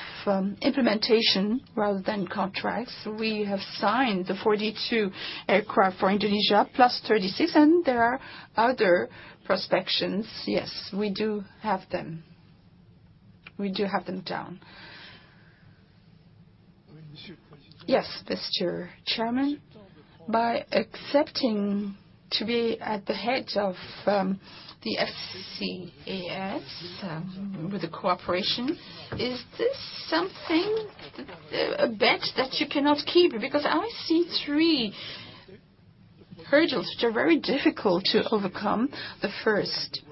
implementation rather than contracts. We have signed the 42 aircraft for Indonesia, plus 36. There are other prospections. Yes, we do have them. We do have them down. Yes, Mr. Chairman. By accepting to be at the head of the FCAS with the cooperation, is this something a bet that you cannot keep? I see 3 hurdles which are very difficult to overcome. The first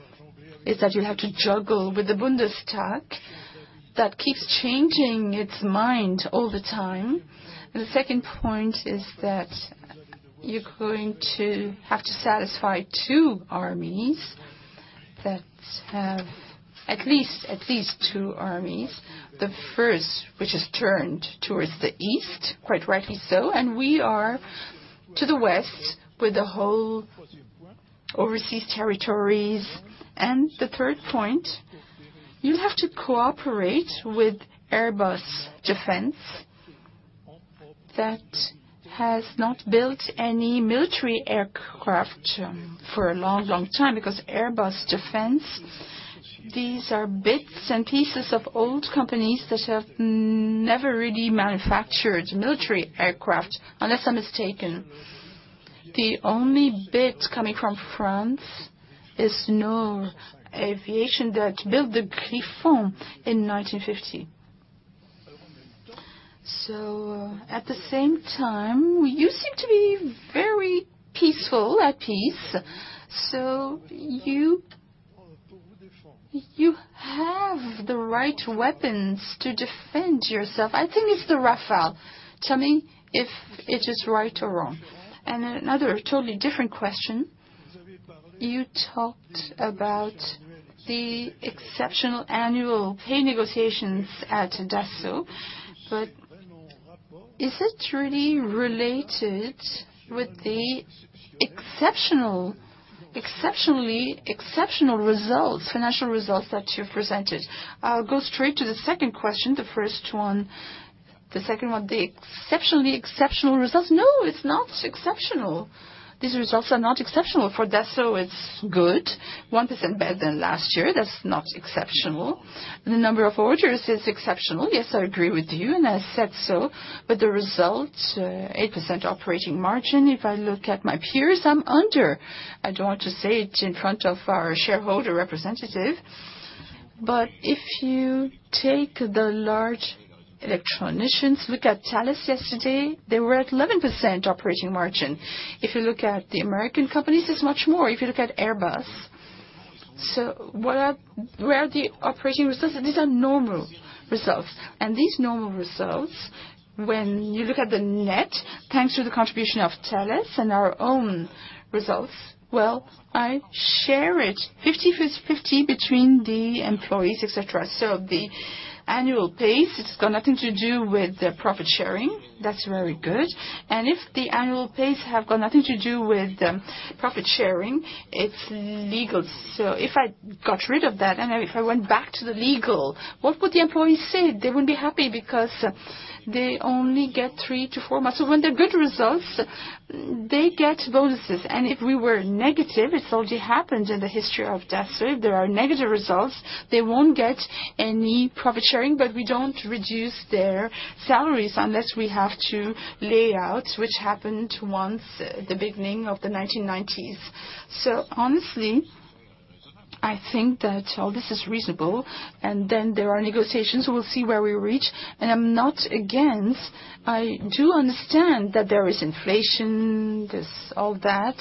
is that you have to juggle with the Bundestag that keeps changing its mind all the time. The second point is that you're going to have to satisfy 2 armies that have... At least two armies. The first, which is turned towards the East, quite rightly so, and we are to the West, with the whole overseas territories. The third point, you have to cooperate with Airbus Defence that has not built any military aircraft for a long, long time, because Airbus Defence, these are bits and pieces of old companies that have never really manufactured military aircraft, unless I'm mistaken. The only bit coming from France is Nord Aviation, that built the Griffon in 1950. At the same time, you seem to be very peaceful, at peace, so you have the right weapons to defend yourself. I think it's the Rafale. Tell me if it is right or wrong? Another totally different question, you talked about the exceptional annual pay negotiations at Dassault. Is it really related with the exceptionally exceptional results, financial results that you've presented? I'll go straight to the second question. The second one, the exceptionally exceptional results. No, it's not exceptional. These results are not exceptional. For Dassault, it's good, 1% better than last year. That's not exceptional. The number of orders is exceptional, yes, I agree with you, and I said so. The results, 8% operating margin. If I look at my peers, I'm under. I don't want to say it in front of our shareholder representative. If you take the large electronics, look at Thales yesterday, they were at 11% operating margin. If you look at the American companies, it's much more, if you look at Airbus. Where are the operating results? These are normal results, and these normal results, when you look at the net, thanks to the contribution of Thales and our own results, well, I share it 50/50 between the employees, et cetera. The annual pay, it's got nothing to do with the profit sharing. That's very good. If the annual pace have got nothing to do with profit sharing, it's legal. If I got rid of that, and if I went back to the legal, what would the employees say? They would be happy because they only get 3 to 4 months. When the good results, they get bonuses, and if we were negative, it's already happened in the history of Dassault. If there are negative results, they won't get any profit sharing, but we don't reduce their salaries unless we have to lay out, which happened once at the beginning of the 1990s. Honestly, I think that all this is reasonable, there are negotiations, we'll see where we reach. I'm not against... I do understand that there is inflation, there's all that,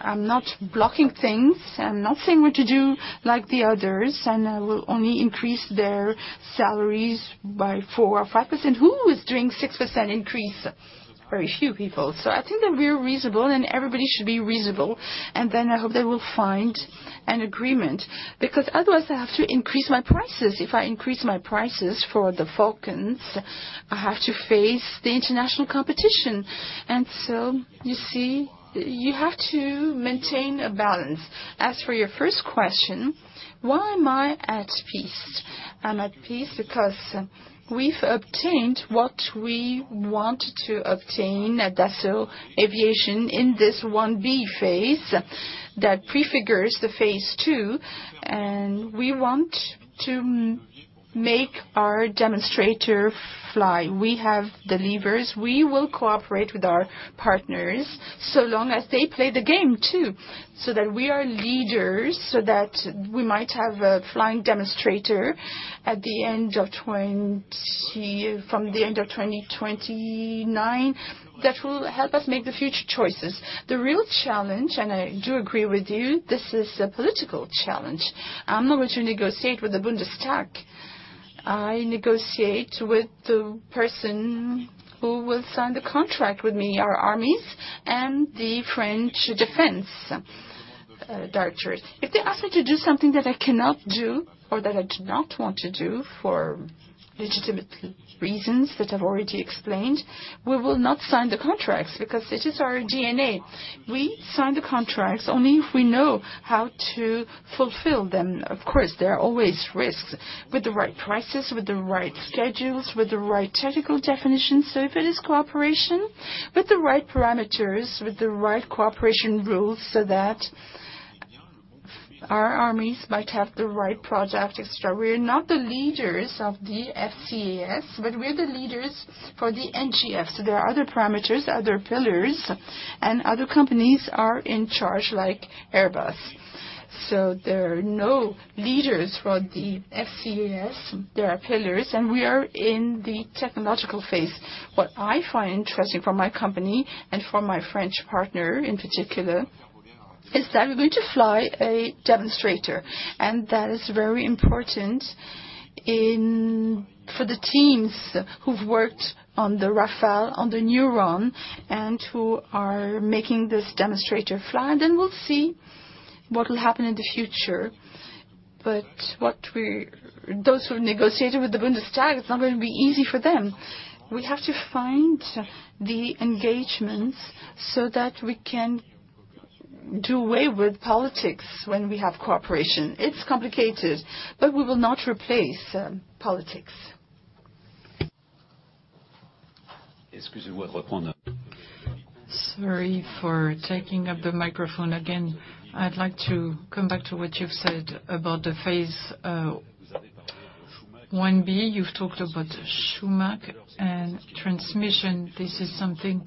I'm not blocking things. I'm not saying we should do like the others, I will only increase their salaries by 4% or 5%. Who is doing 6% increase? Very few people. I think that we're reasonable, everybody should be reasonable, I hope they will find an agreement, because otherwise, I have to increase my prices. If I increase my prices for the Falcons, I have to face the international competition. You see, you have to maintain a balance. As for your first question, why am I at peace? I'm at peace because we've obtained what we want to obtain at Dassault Aviation in this Phase 1B, that prefigures the Phase 2, and we want to make our demonstrator fly. We have the levers. We will cooperate with our partners, so long as they play the game, too, so that we are leaders, so that we might have a flying demonstrator from the end of 2029. That will help us make the future choices. The real challenge, and I do agree with you, this is a political challenge. I'm not going to negotiate with the Bundestag. I negotiate with the person who will sign the contract with me, our armies and the French Defense directors. If they ask me to do something that I cannot do, or that I do not want to do for legitimate reasons that I've already explained, we will not sign the contracts, because this is our DNA. We sign the contracts only if we know how to fulfill them. Of course, there are always risks with the right prices, with the right schedules, with the right technical definition. If it is cooperation, with the right parameters, with the right cooperation rules, that our armies might have the right project, et cetera. We are not the leaders of the FCAS, but we are the leaders for the NGF. There are other parameters, other pillars, and other companies are in charge, like Airbus. There are no leaders for the FCAS. There are pillars, and we are in the technological phase. What I find interesting for my company and for my French partner in particular, is that we're going to fly a demonstrator, and that is very important for the teams who've worked on the Rafale, on the nEUROn, and who are making this demonstrator fly, and then we'll see what will happen in the future. Those who negotiated with the Bundestag, it's not going to be easy for them. We have to find the engagements so that we can. do away with politics when we have cooperation. It's complicated, but we will not replace politics. Sorry for taking up the microphone again. I'd like to come back to what you've said about the Phase 1B. You've talked about Schumach and transmission. This is something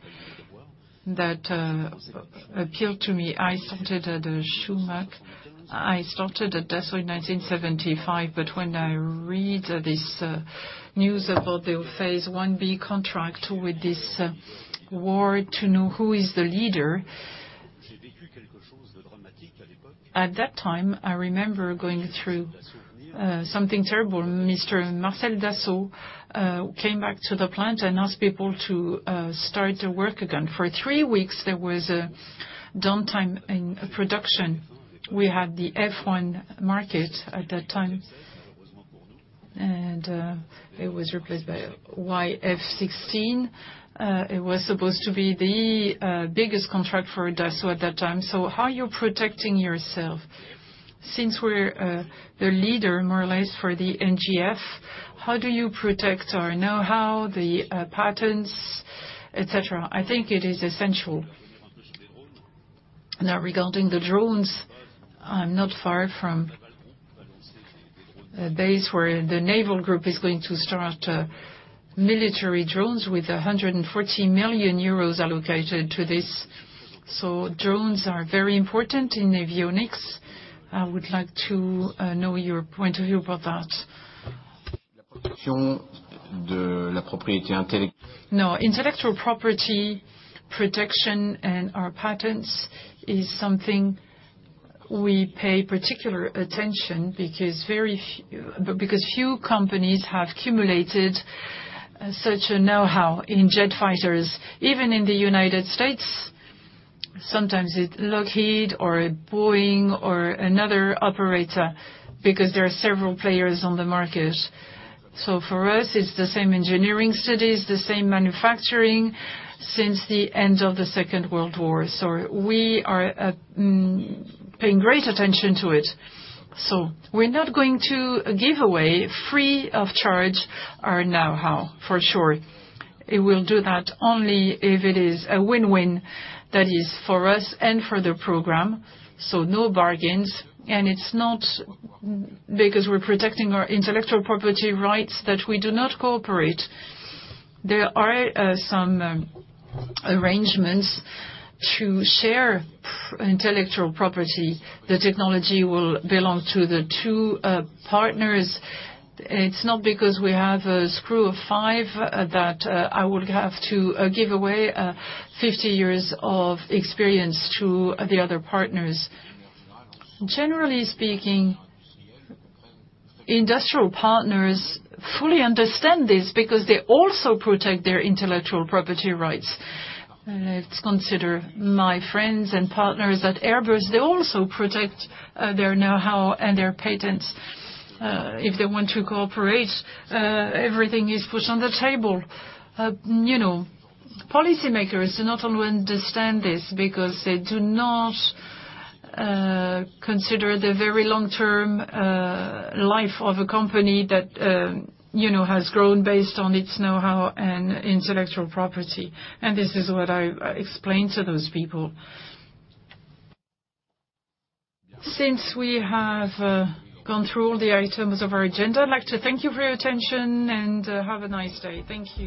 that appealed to me. I started at Schumach. I started at Dassault in 1975, but when I read this news about the Phase 1B contract with this war to know who is the leader. At that time, I remember going through something terrible. Mr. Marcel Dassault came back to the plant and asked people to start to work again. For three weeks, there was a downtime in production. We had the F1 market at that time, and it was replaced by YF-16. It was supposed to be the biggest contract for Dassault at that time. How are you protecting yourself? Since we're the leader, more or less, for the NGF, how do you protect our know-how, the patents, et cetera? I think it is essential. Now, regarding the drones, I'm not far from a base where the Naval Group is going to start military drones with 140 million euros allocated to this. Drones are very important in avionics. I would like to know your point of view about that. Intellectual property protection and our patents is something we pay particular attention because few companies have accumulated such a know-how in jet fighters. Even in the United States, sometimes it's Lockheed or a Boeing or another operator, because there are several players on the market. For us, it's the same engineering studies, the same manufacturing since the end of the Second World War. We are paying great attention to it, so we're not going to give away free of charge our know-how, for sure. It will do that only if it is a win-win that is for us and for the program, so no bargains, and it's not because we're protecting our intellectual property rights that we do not cooperate. There are some arrangements to share intellectual property. The technology will belong to the two partners. It's not because we have a screw of 5 that I would have to give away 50 years of experience to the other partners. Generally speaking, industrial partners fully understand this because they also protect their intellectual property rights. Let's consider my friends and partners at Airbus, they also protect their know-how and their patents. If they want to cooperate, everything is put on the table. You know, policymakers do not only understand this because they do not consider the very long-term life of a company that, you know, has grown based on its know-how and intellectual property, and this is what I explained to those people. Since we have gone through all the items of our agenda, I'd like to thank you for your attention and have a nice day. Thank you.